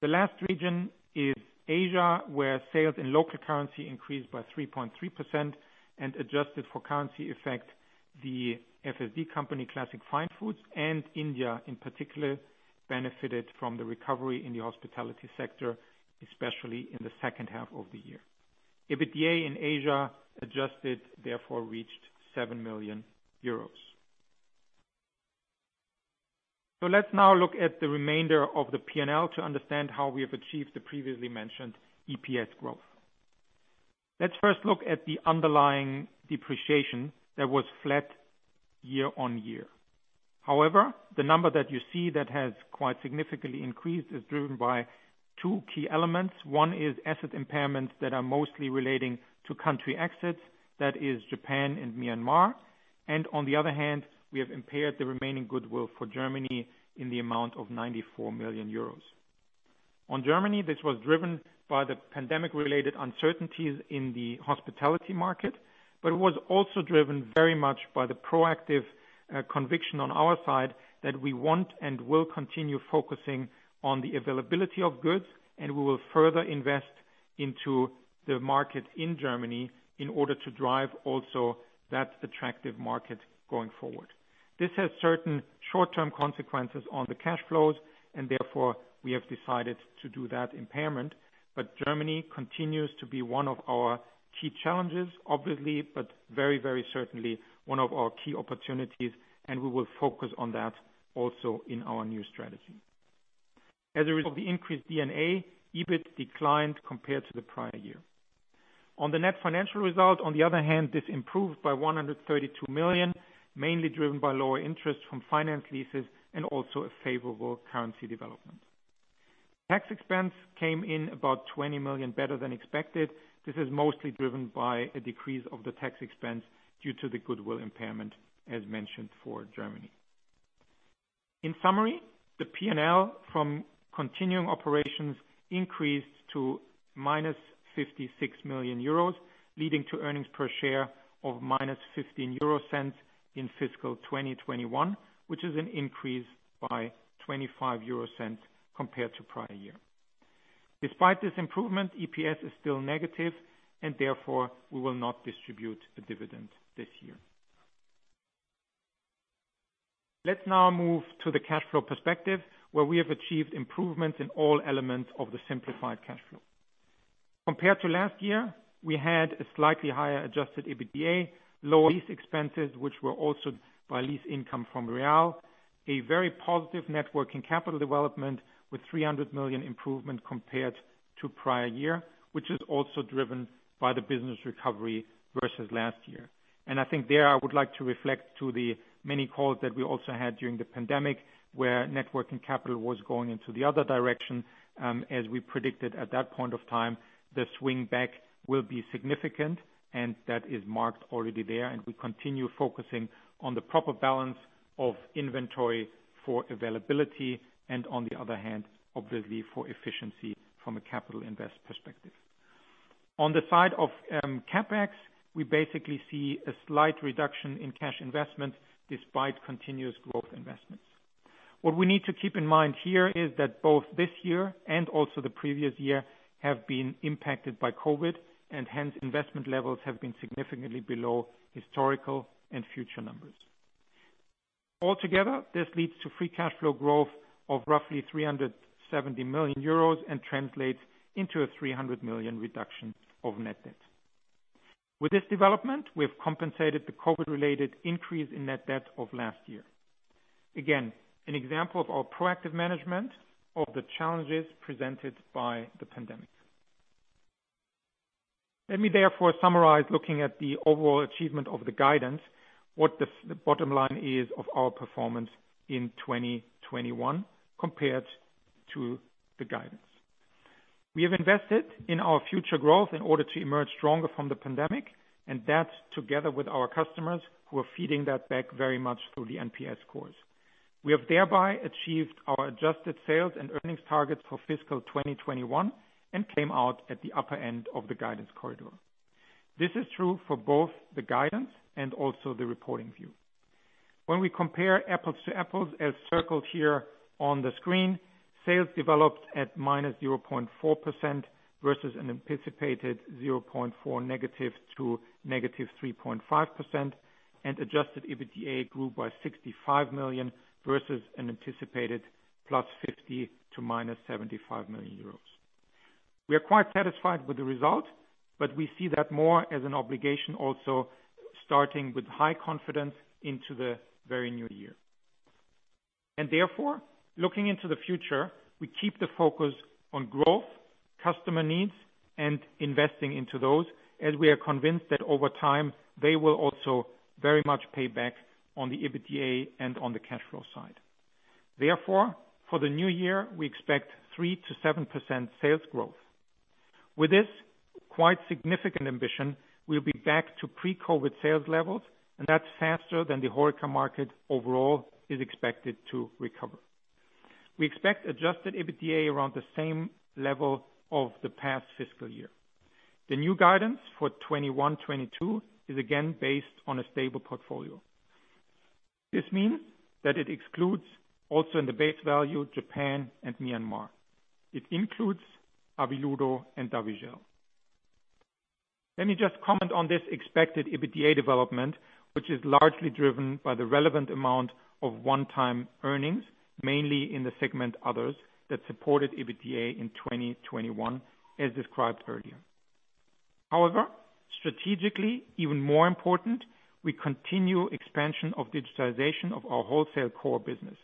The last region is Asia, where sales in local currency increased by 3.3% and adjusted for currency effect, the FSD company, Classic Fine Foods and India in particular, benefited from the recovery in the hospitality sector, especially in the second half of the year. EBITDA in Asia adjusted therefore reached EUR 7 million. Let's now look at the remainder of the P&L to understand how we have achieved the previously mentioned EPS growth. Let's first look at the underlying depreciation that was flat year-over-year. However, the number that you see that has quite significantly increased is driven by two key elements. One is asset impairments that are mostly relating to country exits, that is Japan and Myanmar. On the other hand, we have impaired the remaining goodwill for Germany in the amount of 94 million euros. On Germany, this was driven by the pandemic-related uncertainties in the hospitality market, but was also driven very much by the proactive conviction on our side that we want and will continue focusing on the availability of goods, and we will further invest into the market in Germany in order to drive also that attractive market going forward. This has certain short-term consequences on the cash flows, and therefore we have decided to do that impairment. Germany continues to be one of our key challenges, obviously, but very, very certainly one of our key opportunities, and we will focus on that also in our new strategy. As a result of the increased D&A, EBIT declined compared to the prior year. On the net financial result, on the other hand, this improved by 132 million, mainly driven by lower interest from finance leases and also a favorable currency development. Tax expense came in about 20 million better than expected. This is mostly driven by a decrease of the tax expense due to the goodwill impairment, as mentioned for Germany. In summary, the P&L from continuing operations increased to -56 million euros, leading to earnings per share of -0.15 in fiscal 2021, which is an increase by 0.25 compared to prior year. Despite this improvement, EPS is still negative and therefore we will not distribute a dividend this year. Let's now move to the cash flow perspective, where we have achieved improvements in all elements of the simplified cash flow. Compared to last year, we had a slightly higher adjusted EBITDA, lower lease expenses, which were offset by lease income from Real, a very positive net working capital development with 300 million improvement compared to prior year, which is also driven by the business recovery versus last year. I think there, I would like to refer to the many calls that we also had during the pandemic, where net working capital was going into the other direction, as we predicted at that point of time, the swing back will be significant and that is marked already there and we continue focusing on the proper balance of inventory for availability and on the other hand, obviously for efficiency from a capital investment perspective. On the side of CapEx, we basically see a slight reduction in cash investment despite continuous growth investments. What we need to keep in mind here is that both this year and also the previous year have been impacted by COVID, and hence investment levels have been significantly below historical and future numbers. All together, this leads to free cash flow growth of roughly 370 million euros and translates into a 300 million reduction of net debt. With this development, we have compensated the COVID-related increase in net debt of last year. Again, an example of our proactive management of the challenges presented by the pandemic. Let me therefore summarize, looking at the overall achievement of the guidance, what the bottom line is of our performance in 2021 compared to the guidance. We have invested in our future growth in order to emerge stronger from the pandemic, and that's together with our customers who are feeding that back very much through the NPS scores. We have thereby achieved our adjusted sales and earnings targets for fiscal 2021 and came out at the upper end of the guidance corridor. This is true for both the guidance and also the reporting view. When we compare apples to apples, as circled here on the screen, sales developed at -0.4% versus an anticipated -0.4% to -3.5% and adjusted EBITDA grew by 65 million versus an anticipated +50 million to -75 million euros. We are quite satisfied with the result, but we see that more as an obligation also starting with high confidence into the very new year. Therefore, looking into the future, we keep the focus on growth, customer needs, and investing into those, as we are convinced that over time, they will also very much pay back on the EBITDA and on the cash flow side. Therefore, for the new year, we expect 3%-7% sales growth. With this quite significant ambition, we'll be back to pre-COVID sales levels, and that's faster than the HoReCa market overall is expected to recover. We expect adjusted EBITDA around the same level of the past fiscal year. The new guidance for 2021, 2022 is again based on a stable portfolio. This means that it excludes also in the base value, Japan and Myanmar. It includes Aviludo and Davigel. Let me just comment on this expected EBITDA development, which is largely driven by the relevant amount of one-time earnings, mainly in the segment Others, that supported EBITDA in 2021 as described earlier. However, strategically, even more important, we continue expansion of digitalization of our wholesale core business,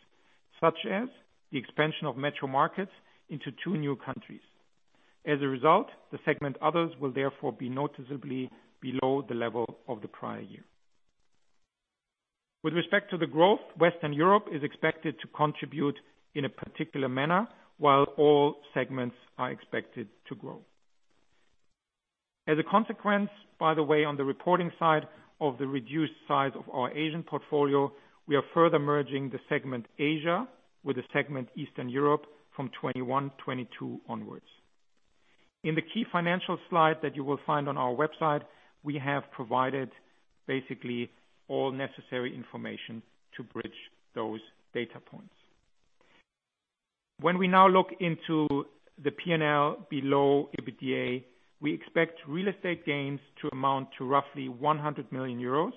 such as the expansion of METRO MARKETS into two new countries. As a result, the segment Others will therefore be noticeably below the level of the prior year. With respect to the growth, Western Europe is expected to contribute in a particular manner while all segments are expected to grow. As a consequence, by the way, on the reporting side of the reduced size of our Asian portfolio, we are further merging the segment Asia with the segment Eastern Europe from 2021, 2022 onwards. In the key financial slide that you will find on our website, we have provided basically all necessary information to bridge those data points. When we now look into the P&L below EBITDA, we expect real estate gains to amount to roughly 100 million euros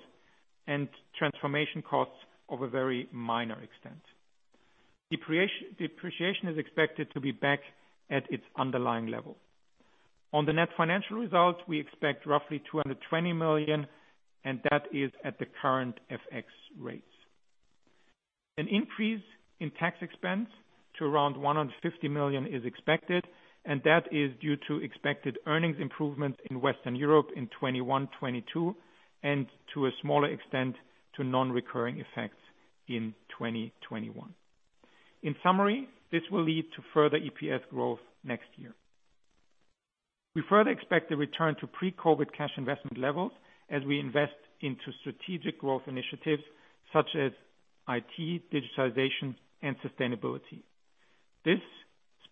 and transformation costs of a very minor extent. Depreciation is expected to be back at its underlying level. On the net financial results, we expect roughly 220 million, and that is at the current FX rates. An increase in tax expense to around 150 million is expected, and that is due to expected earnings improvements in Western Europe in 2021, 2022, and to a smaller extent, to non-recurring effects in 2021. In summary, this will lead to further EPS growth next year. We further expect a return to pre-COVID cash investment levels as we invest into strategic growth initiatives such as IT, digitalization, and sustainability. This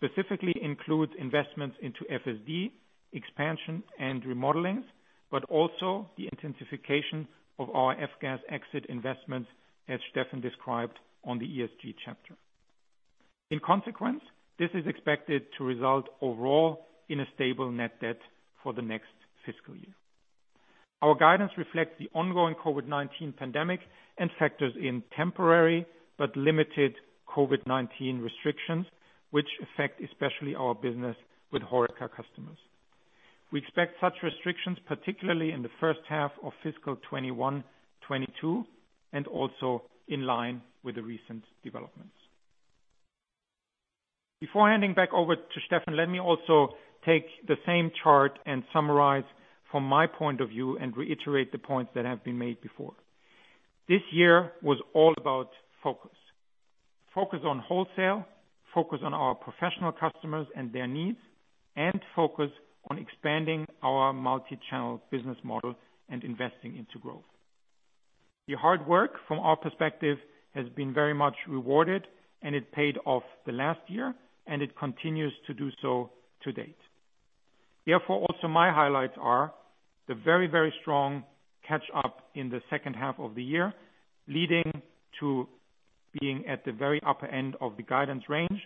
specifically includes investments into FSD expansion and remodeling, but also the intensification of our FGAS exit investments, as Steffen described on the ESG chapter. In consequence, this is expected to result overall in a stable net debt for the next fiscal year. Our guidance reflects the ongoing COVID-19 pandemic and factors in temporary but limited COVID-19 restrictions, which affect especially our business with HoReCa customers. We expect such restrictions, particularly in the first half of fiscal 2021, 2022, and also in line with the recent developments. Before handing back over to Steffen, let me also take the same chart and summarize from my point of view and reiterate the points that have been made before. This year was all about focus. Focus on wholesale, focus on our professional customers and their needs, and focus on expanding our multi-channel business model and investing into growth. The hard work from our perspective has been very much rewarded and it paid off the last year, and it continues to do so to date. Therefore, also my highlights are the very, very strong catch up in the second half of the year, leading to being at the very upper end of the guidance range,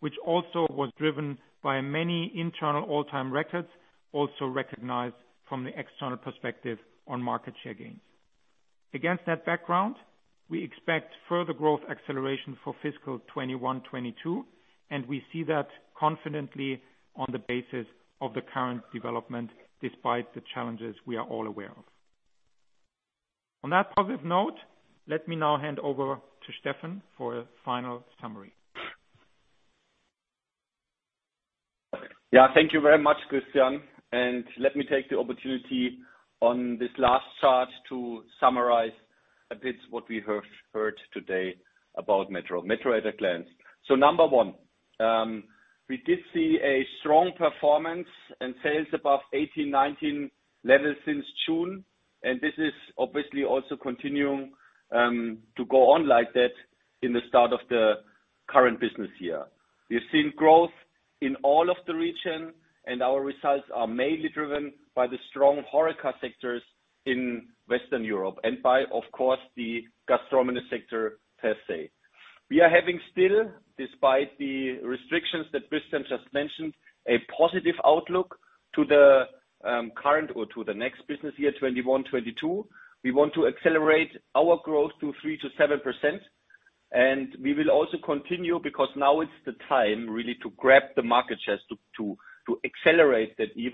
which also was driven by many internal all-time records, also recognized from the external perspective on market share gains. Against that background, we expect further growth acceleration for fiscal 2021, 2022, and we see that confidently on the basis of the current development despite the challenges we are all aware of. On that positive note, let me now hand over to Steffen for a final summary. Yeah. Thank you very much, Christian, and let me take the opportunity on this last chart to summarize a bit what we have heard today about METRO. METRO at a glance. Number one, we did see a strong performance and sales above 18, 19 levels since June, and this is obviously also continuing to go on like that in the start of the current business year. We've seen growth in all of the region, and our results are mainly driven by the strong HoReCa sectors in Western Europe and by, of course, the gastronomy sector per se. We are having still, despite the restrictions that Christian just mentioned, a positive outlook to the current or to the next business year, 2021, 2022. We want to accelerate our growth to 3%-7%. We will also continue, because now is the time, really, to grab the market shares, to accelerate that we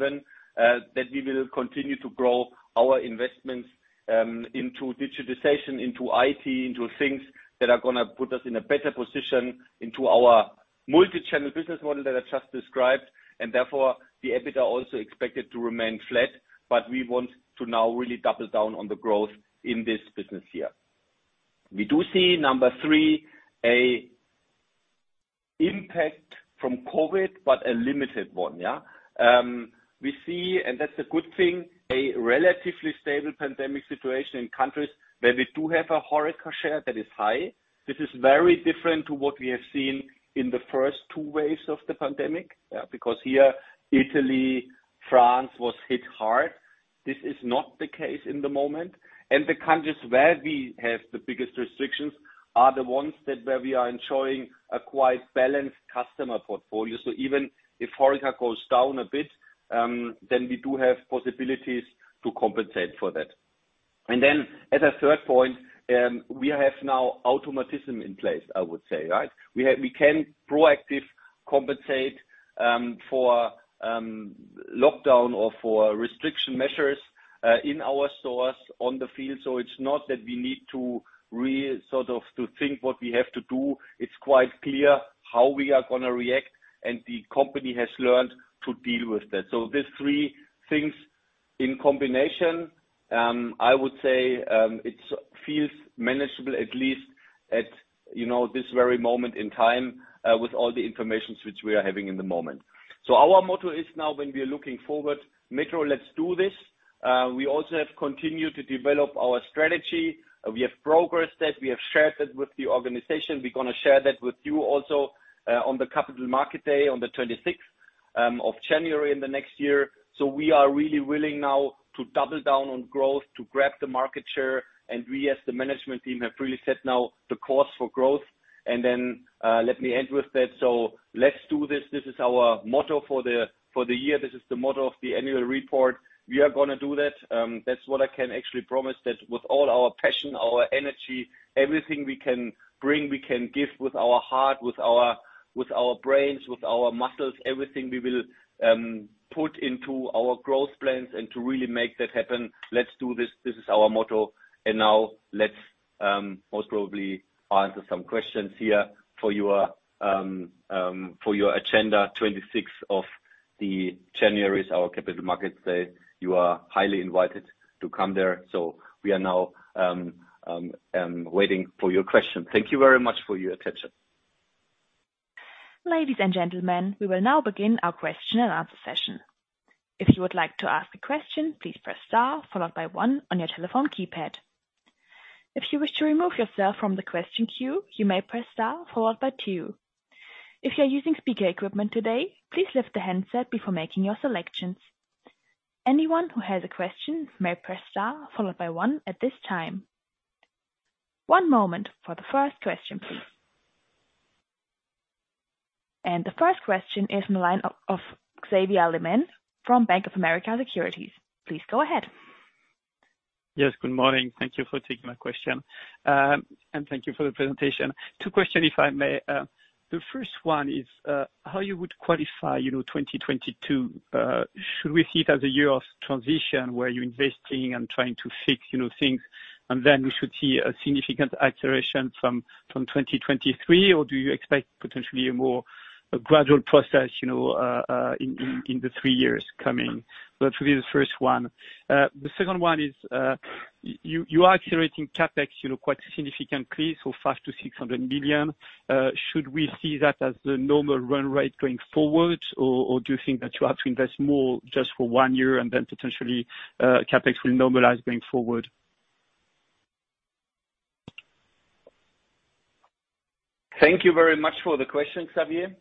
will continue to grow our investments into digitization, into IT, into things that are going to put us in a better position into our multi-channel business model that I just described. Therefore, the EBITDA also expected to remain flat, but we want to now really double down on the growth in this business year. We do see, number three, an impact from COVID, but a limited one, yeah. We see, and that's a good thing, a relatively stable pandemic situation in countries where we do have a HoReCa share that is high. This is very different to what we have seen in the first two waves of the pandemic, because here, Italy, France was hit hard. This is not the case in the moment. The countries where we have the biggest restrictions are the ones that were we are ensuring a quite balanced customer portfolio. Even if HoReCa goes down a bit, then we do have possibilities to compensate for that. As a third point, we have now automatism in place, I would say, right? We can proactively compensate for lockdown or for restriction measures in our stores in the field, so it's not that we need to sort of think what we have to do. It's quite clear how we are going to react, and the company has learned to deal with that. These three things in combination, I would say, it feels manageable, at least at, you know, this very moment in time, with all the information which we are having in the moment. Our motto is now, when we are looking forward, METRO, let's do this. We also have continued to develop our strategy. We have progressed that. We have shared that with the organization. We're going to share that with you also, on the capital market day on January 26 in the next year. We are really willing now to double down on growth, to grab the market share, and we as the management team have really set now the course for growth. Then, let me end with that. Let's do this. This is our motto for the year. This is the motto of the annual report. We are going to do that. That's what I can actually promise, that with all our passion, our energy, everything we can bring, we can give with our heart, with our brains, with our muscles, everything, we will put into our growth plans and to really make that happen. Let's do this. This is our motto. Now let's most probably answer some questions here for your agenda. January 26 is our Capital Markets Day. You are highly invited to come there. We are now waiting for your question. Thank you very much for your attention. Ladies and gentlemen, we will now begin our question-and-answer session. If you would like to ask a question, please press star followed by one on your telephone keypad. If you wish to remove yourself from the question queue, you may press star followed by two. If you're using speaker equipment today, please lift the handset before making your selections. Anyone who has a question may press star followed by one at this time. One moment for the first question, please. The first question is on the line of Xavier Le Mené from Bank of America Securities. Please go ahead. Yes, good morning. Thank you for taking my question. And thank you for the presentation. Two questions, if I may. The first one is, how would you qualify, you know, 2022. Should we see it as a year of transition where you're investing and trying to fix, you know, things, and then we should see a significant acceleration from 2023? Or do you expect potentially a more gradual process, you know, in the three years coming? That will be the first one. The second one is, you are accelerating CapEx, you know, quite significantly, so 500 million-600 million. Should we see that as the normal run rate going forward? Or do you think that you have to invest more just for one year and then potentially CapEx will normalize going forward? Thank you very much for the question, Xavier.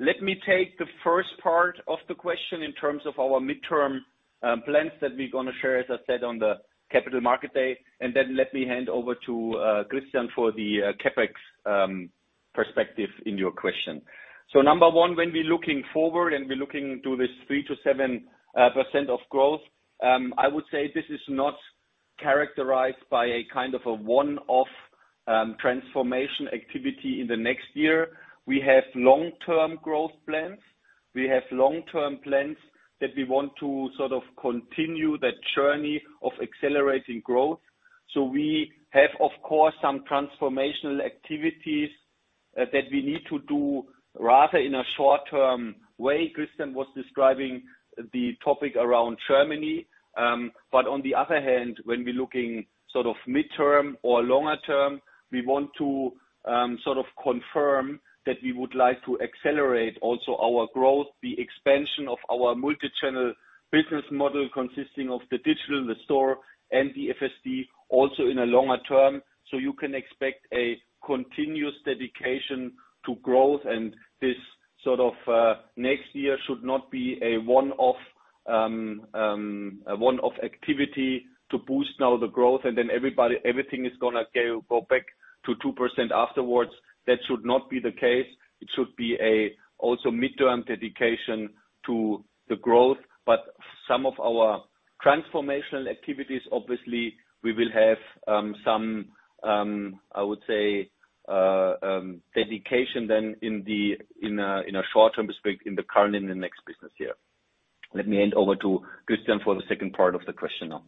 Let me take the first part of the question in terms of our midterm plans that we're going to share, as I said, on the capital market day, and then let me hand over to Christian for the CapEx perspective in your question. Number one, when we're looking forward and we're looking to this 3%-7% growth, I would say this is not characterized by a kind of a one-off transformation activity in the next year. We have long-term growth plans. We have long-term plans that we want to sort of continue that journey of accelerating growth. We have, of course, some transformational activities that we need to do rather in a short-term way. Christian was describing the topic around Germany. on the other hand, when we're looking sort of midterm or longer term, we want to sort of confirm that we would like to accelerate also our growth, the expansion of our multichannel business model consisting of the digital, the store, and the FSD also in a longer term. So, you can expect a continuous dedication to growth. this sort of next year should not be a one-off activity to boost now the growth and then everybody, everything is going to go back to 2% afterwards. That should not be the case. It should be also a midterm dedication to the growth. Some of our transformational activities, obviously we will have some, I would say, dedication then in a short-term perspective in the current and the next business year. Let me hand over to Christian for the second part of the question now.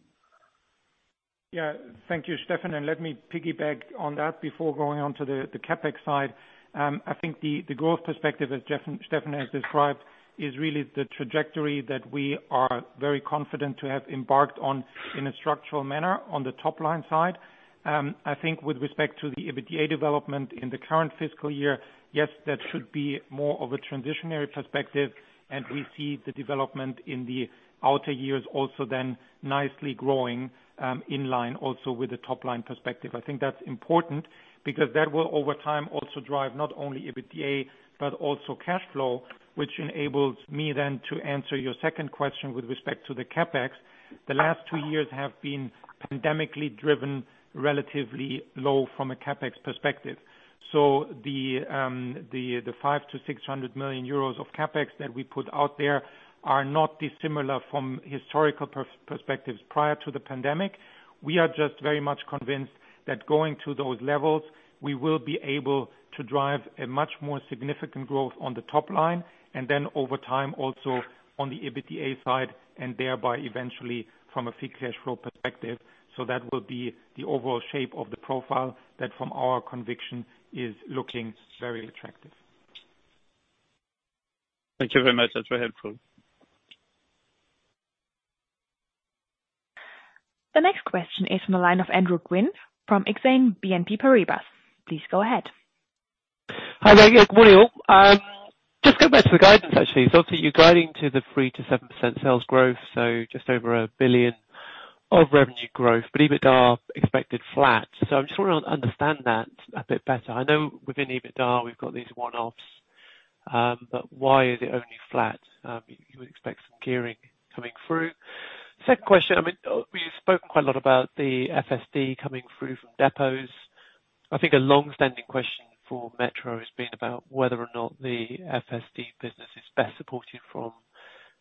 Yeah. Thank you, Steffen. Let me piggyback on that before going on to the CapEx side. I think the growth perspective, as Steffen has described, is really the trajectory that we are very confident to have embarked on in a structural manner on the top line side. I think with respect to the EBITDA development in the current fiscal year, yes, that should be more of a transitory perspective, and we see the development in the outer years also then nicely growing, in line also with the top line perspective. I think that's important because that will over time also drive not only EBITDA, but also cash flow, which enables me then to answer your second question with respect to the CapEx. The last two years have been pandemically driven, relatively low from a CapEx perspective. The 500 million-600 million euros of CapEx that we put out there are not dissimilar from historical perspectives prior to the pandemic. We are just very much convinced that going to those levels, we will be able to drive a much more significant growth on the top line and then over time also on the EBITDA side and thereby eventually from a free cash flow perspective. That will be the overall shape of the profile that from our conviction is looking very attractive. Thank you very much. That's very helpful. The next question is from the line of Andrew Gwynn from Exane BNP Paribas. Please go ahead. Hi there. Good morning, all. Just go back to the guidance, actually. I see you're guiding to the 3%-7% sales growth, so just over 1 billion of revenue growth, but EBITDA expected flat. I'm just trying to understand that a bit better. I know within EBITDA we've got these one-offs, but why is it only flat? You would expect some gearing coming through. Second question. I mean, we've spoken quite a lot about the FSD coming through from depots. I think a long-standing question for METRO has been about whether or not the FSD business is best supported from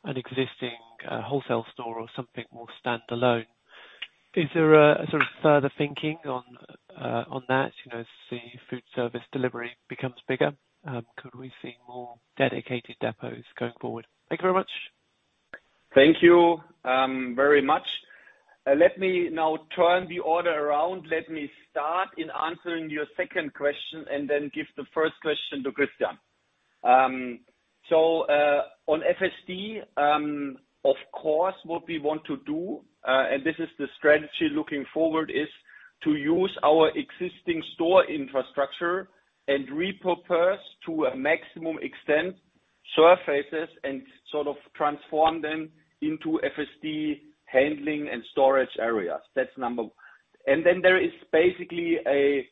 an existing wholesale store or something more standalone. Is there a sort of further thinking on that, you know, as the food service delivery becomes bigger, could we see more dedicated depots going forward? Thank you very much. Thank you, very much. Let me now turn the order around. Let me start in answering your second question and then give the first question to Christian. So, on FSD, of course what we want to do, and this is the strategy looking forward, is to use our existing store infrastructure and repurpose to a maximum extent surfaces and sort of transform them into FSD handling and storage areas. That's number. Then there is basically a,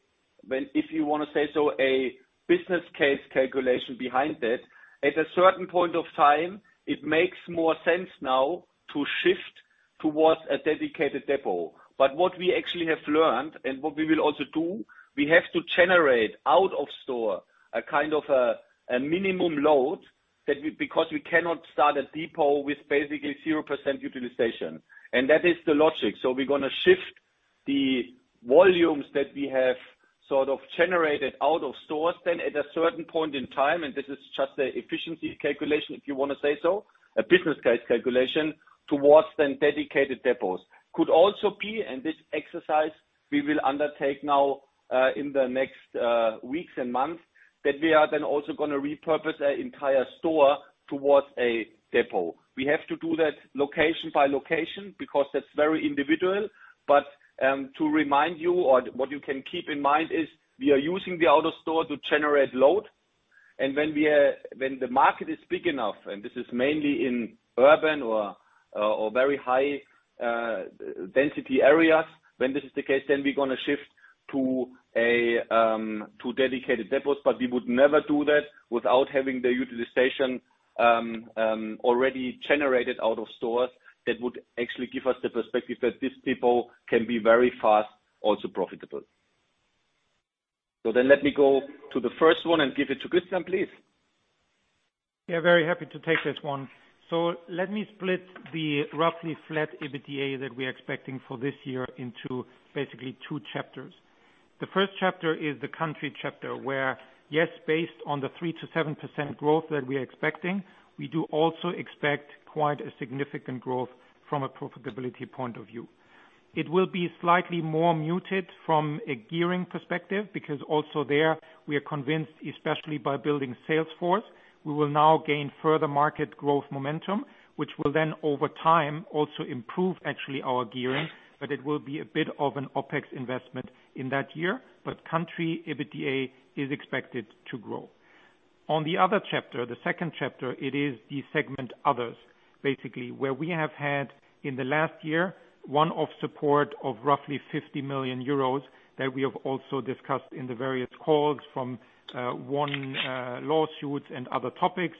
well, if you want to say so, a business case calculation behind it. At a certain point of time, it makes more sense now to shift towards a dedicated depot. What we actually have learned and what we will also do, we have to generate out of store a kind of minimum load because we cannot start a depot with basically 0% utilization. That is the logic. We're going to shift the volumes that we have sort of generated out of stores then at a certain point in time, and this is just an efficiency calculation, if you want to say so, a business case calculation, towards then dedicated depots. Could also be, and this exercise we will undertake now, in the next weeks and months, that we are then also going to repurpose an entire store towards a depot. We have to do that location by location because that's very individual. To remind you or what you can keep in mind is we are using the out of store to generate load. When the market is big enough, and this is mainly in urban or very high-density areas, when this is the case, then we're going to shift to a dedicated depot. We would never do that without having the utilization already generated out of stores that would actually give us the perspective that this depot can be very fast, also profitable. Let me go to the first one and give it to Christian, please. Yeah, very happy to take this one. Let me split the roughly flat EBITDA that we're expecting for this year into basically two chapters. The first chapter is the country chapter, where, yes, based on the 3%-7% growth that we are expecting, we do also expect quite a significant growth from a profitability point of view. It will be slightly more muted from a gearing perspective because also there we are convinced, especially by building sales force, we will now gain further market growth momentum, which will then over time also improve actually our gearing. It will be a bit of an OpEx investment in that year. Country EBITDA is expected to grow. On the other chapter, the second chapter, it is the segment Others, basically, where we have had in the last year one-off support of roughly 50 million euros that we have also discussed in the various calls from ongoing lawsuits and other topics.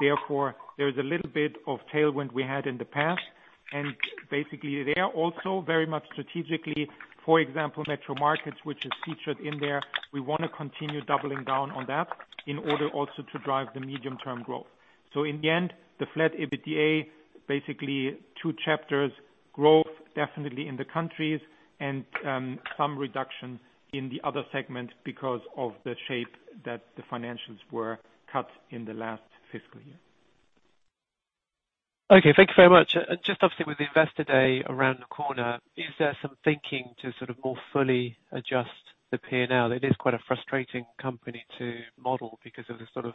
Therefore, there is a little bit of tailwind we had in the past. Basically, they are also very much strategically, for example, METRO MARKETS, which is featured in there. We want to continue doubling down on that in order also to drive the medium-term growth. In the end, the flat EBITDA, basically two chapters, growth definitely in the countries and some reductions in the other segment because of the shape that the financials were cut in the last fiscal year. Okay, thank you very much. Just obviously with the Investor Day around the corner, is there some thinking to sort of more fully adjust the P&L? It is quite a frustrating company to model because of the sort of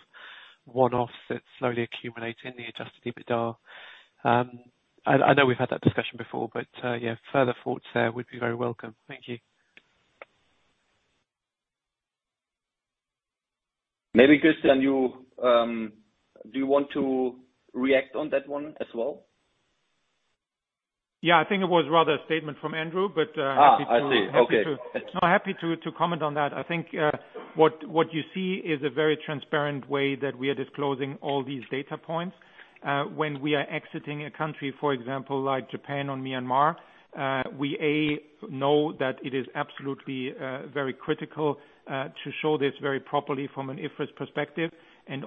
one-offs that slowly accumulate in the adjusted EBITDA. I know we've had that discussion before, but yeah, further thoughts there would be very welcome. Thank you. Maybe, Christian, do you want to react on that one as well? Yeah, I think it was rather a statement from Andrew, but, happy to. I see. Okay. No, happy to comment on that. I think what you see is a very transparent way that we are disclosing all these data points. When we are exiting a country, for example, like Japan or Myanmar, we know that it is absolutely very critical to show this very properly from an IFRS perspective.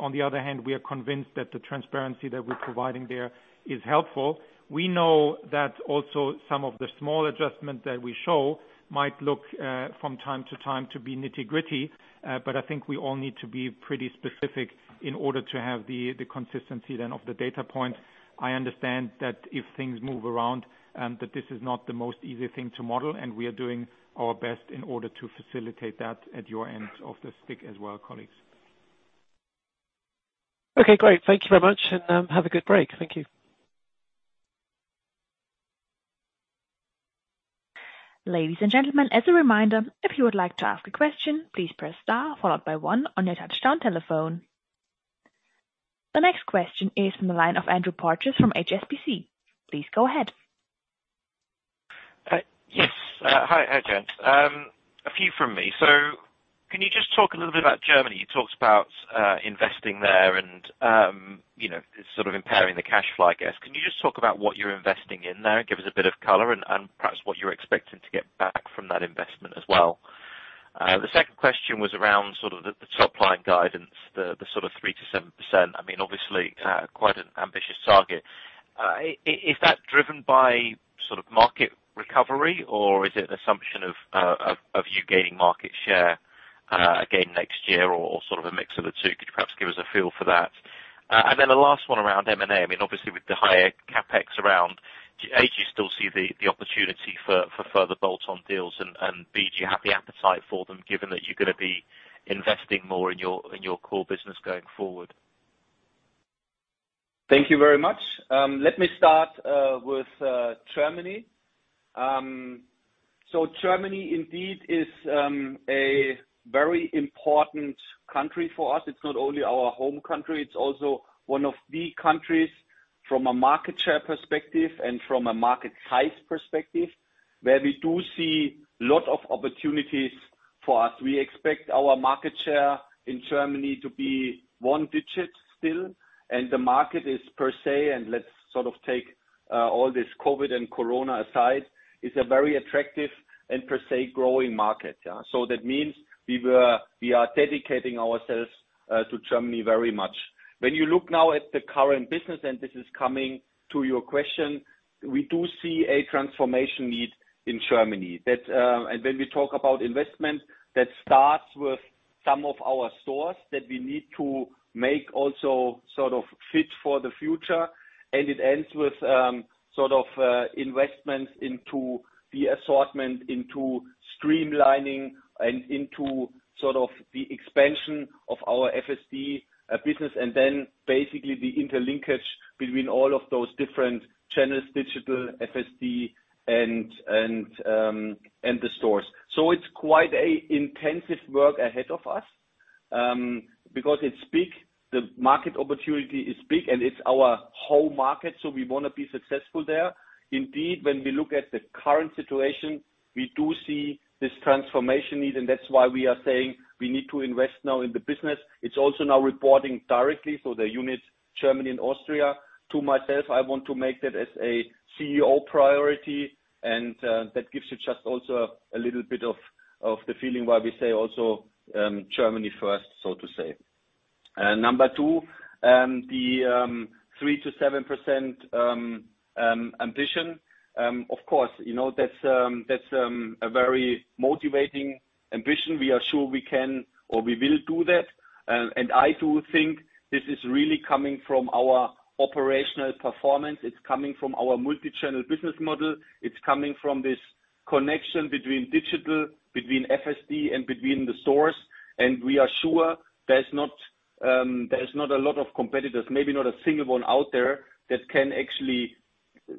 On the other hand, we are convinced that the transparency that we're providing there is helpful. We know that also some of the small adjustments that we show might look from time to time to be nitty-gritty, but I think we all need to be pretty specific in order to have the consistency then of the data points. I understand that if things move around, that this is not the most easy thing to model, and we are doing our best in order to facilitate that at your end of the stick as well, colleagues. Okay, great. Thank you very much. Have a good break. Thank you. Ladies and gentlemen, as a reminder, if you would like to ask a question, please press star followed by one on your touch-tone telephone. The next question is from the line of Andrew Porteous from HSBC. Please go ahead. Yes. Hi. Hi, gents. A few from me. Can you just talk a little bit about Germany? You talked about investing there and you know, it's sort of impairing the cash flow, I guess. Can you just talk about what you're investing in there and give us a bit of color and perhaps what you're expecting to get back from that investment as well? The second question was around sort of the top-line guidance, the sort of 3%-7%. I mean, obviously quite an ambitious target. Is that driven by sort of market recovery, or is it an assumption of you gaining market share again next year or sort of a mix of the two? Could you perhaps give us a feel for that? The last one around M&A. I mean, obviously with the higher CapEx around, a, do you still see the opportunity for further bolt-on deals? b, do you have the appetite for them, given that you're going to be investing more in your core business going forward? Thank you very much. Let me start with Germany. Germany indeed is a very important country for us. It's not only our home country, it's also one of the countries from a market share perspective and from a market size perspective, where we do see a lot of opportunities for us. We expect our market share in Germany to be one-digit still, and the market is per se, and let's sort of take all this COVID-19 and Corona aside, is a very attractive and per se growing market, yeah. That means we are dedicating ourselves to Germany very much. When you look now at the current business, and this is coming to your question, we do see a transformation need in Germany. That when we talk about investment, that starts with some of our stores that we need to make also sort of fit for the future, and it ends with, sort of, investments into the assortment, into streamlining and into sort of the expansion of our FSD business, and then basically the interlinkage between all of those different channels, digital, FSD, and the stores. It's quite a intensive work ahead of us, because it's big, the market opportunity is big, and it's our home market, so we want to be successful there. Indeed, when we look at the current situation, we do see this transformation need, and that's why we are saying we need to invest now in the business. It's also now reporting directly, so the units Germany and Austria to myself. I want to make that as a CEO priority and that gives you just also a little bit of the feeling why we say also Germany first, so to say. Number two, the 3%-7% ambition, of course, you know, that's a very motivating ambition. We are sure we can or we will do that. I do think this is really coming from our operational performance. It's coming from our multi-channel business model. It's coming from this connection between digital, between FSD, and between the stores. We are sure there's not a lot of competitors, maybe not a single one out there, that can actually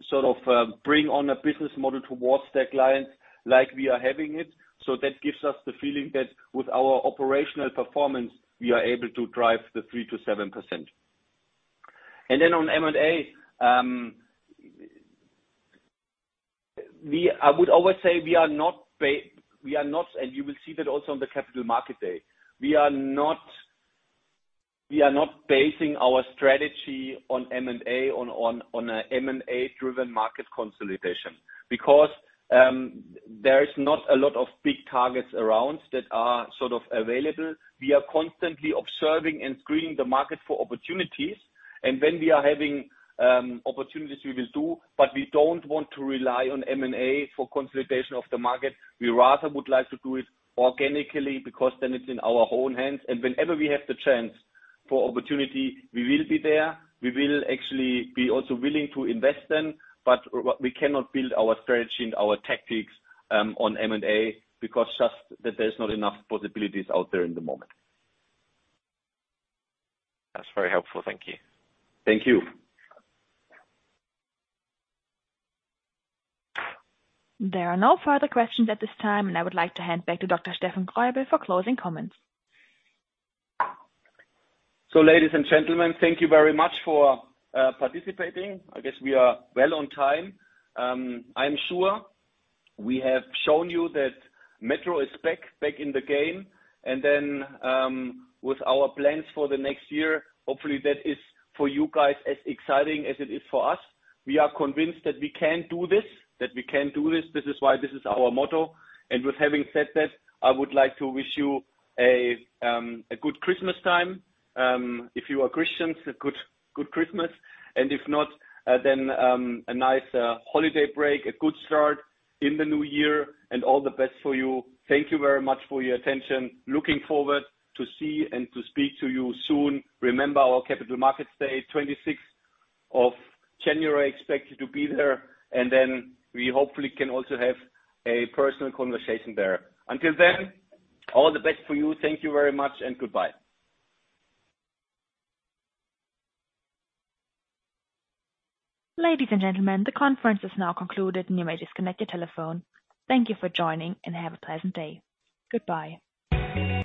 sort of bring on a business model towards their clients like we are having it. That gives us the feeling that with our operational performance, we are able to drive 3%-7%. On M&A, I would always say we are not, and you will see that also on the Capital Markets Day, we are not basing our strategy on M&A, on a M&A-driven market consolidation because there is not a lot of big targets around that are sort of available. We are constantly observing and screening the market for opportunities. When we are having opportunities, we will do, but we don't want to rely on M&A for consolidation of the market. We rather would like to do it organically because then it's in our own hands. Whenever we have the chance for opportunity, we will be there. We will actually be also willing to invest then, but we cannot build our strategy and our tactics on M&A because just that there's not enough possibilities out there in the moment. That's very helpful. Thank you. Thank you. There are no further questions at this time, and I would like to hand back to Dr. Steffen Greubel for closing comments. Ladies and gentlemen, thank you very much for participating. I guess we are well on time. I am sure we have shown you that METRO is back in the game. With our plans for the next year, hopefully that is for you guys as exciting as it is for us. We are convinced that we can do this. This is why this is our motto. With having said that, I would like to wish you a good Christmas time. If you are Christians, a good Christmas, and if not, then a nice holiday break, a good start in the new year and all the best for you. Thank you very much for your attention. Looking forward to see and to speak to you soon. Remember our Capital Markets Day, January 26. I expect you to be there, and then we hopefully can also have a personal conversation there. Until then, all the best for you. Thank you very much and goodbye. Ladies and gentlemen, the conference is now concluded and you may disconnect your telephone. Thank you for joining and have a pleasant day. Goodbye.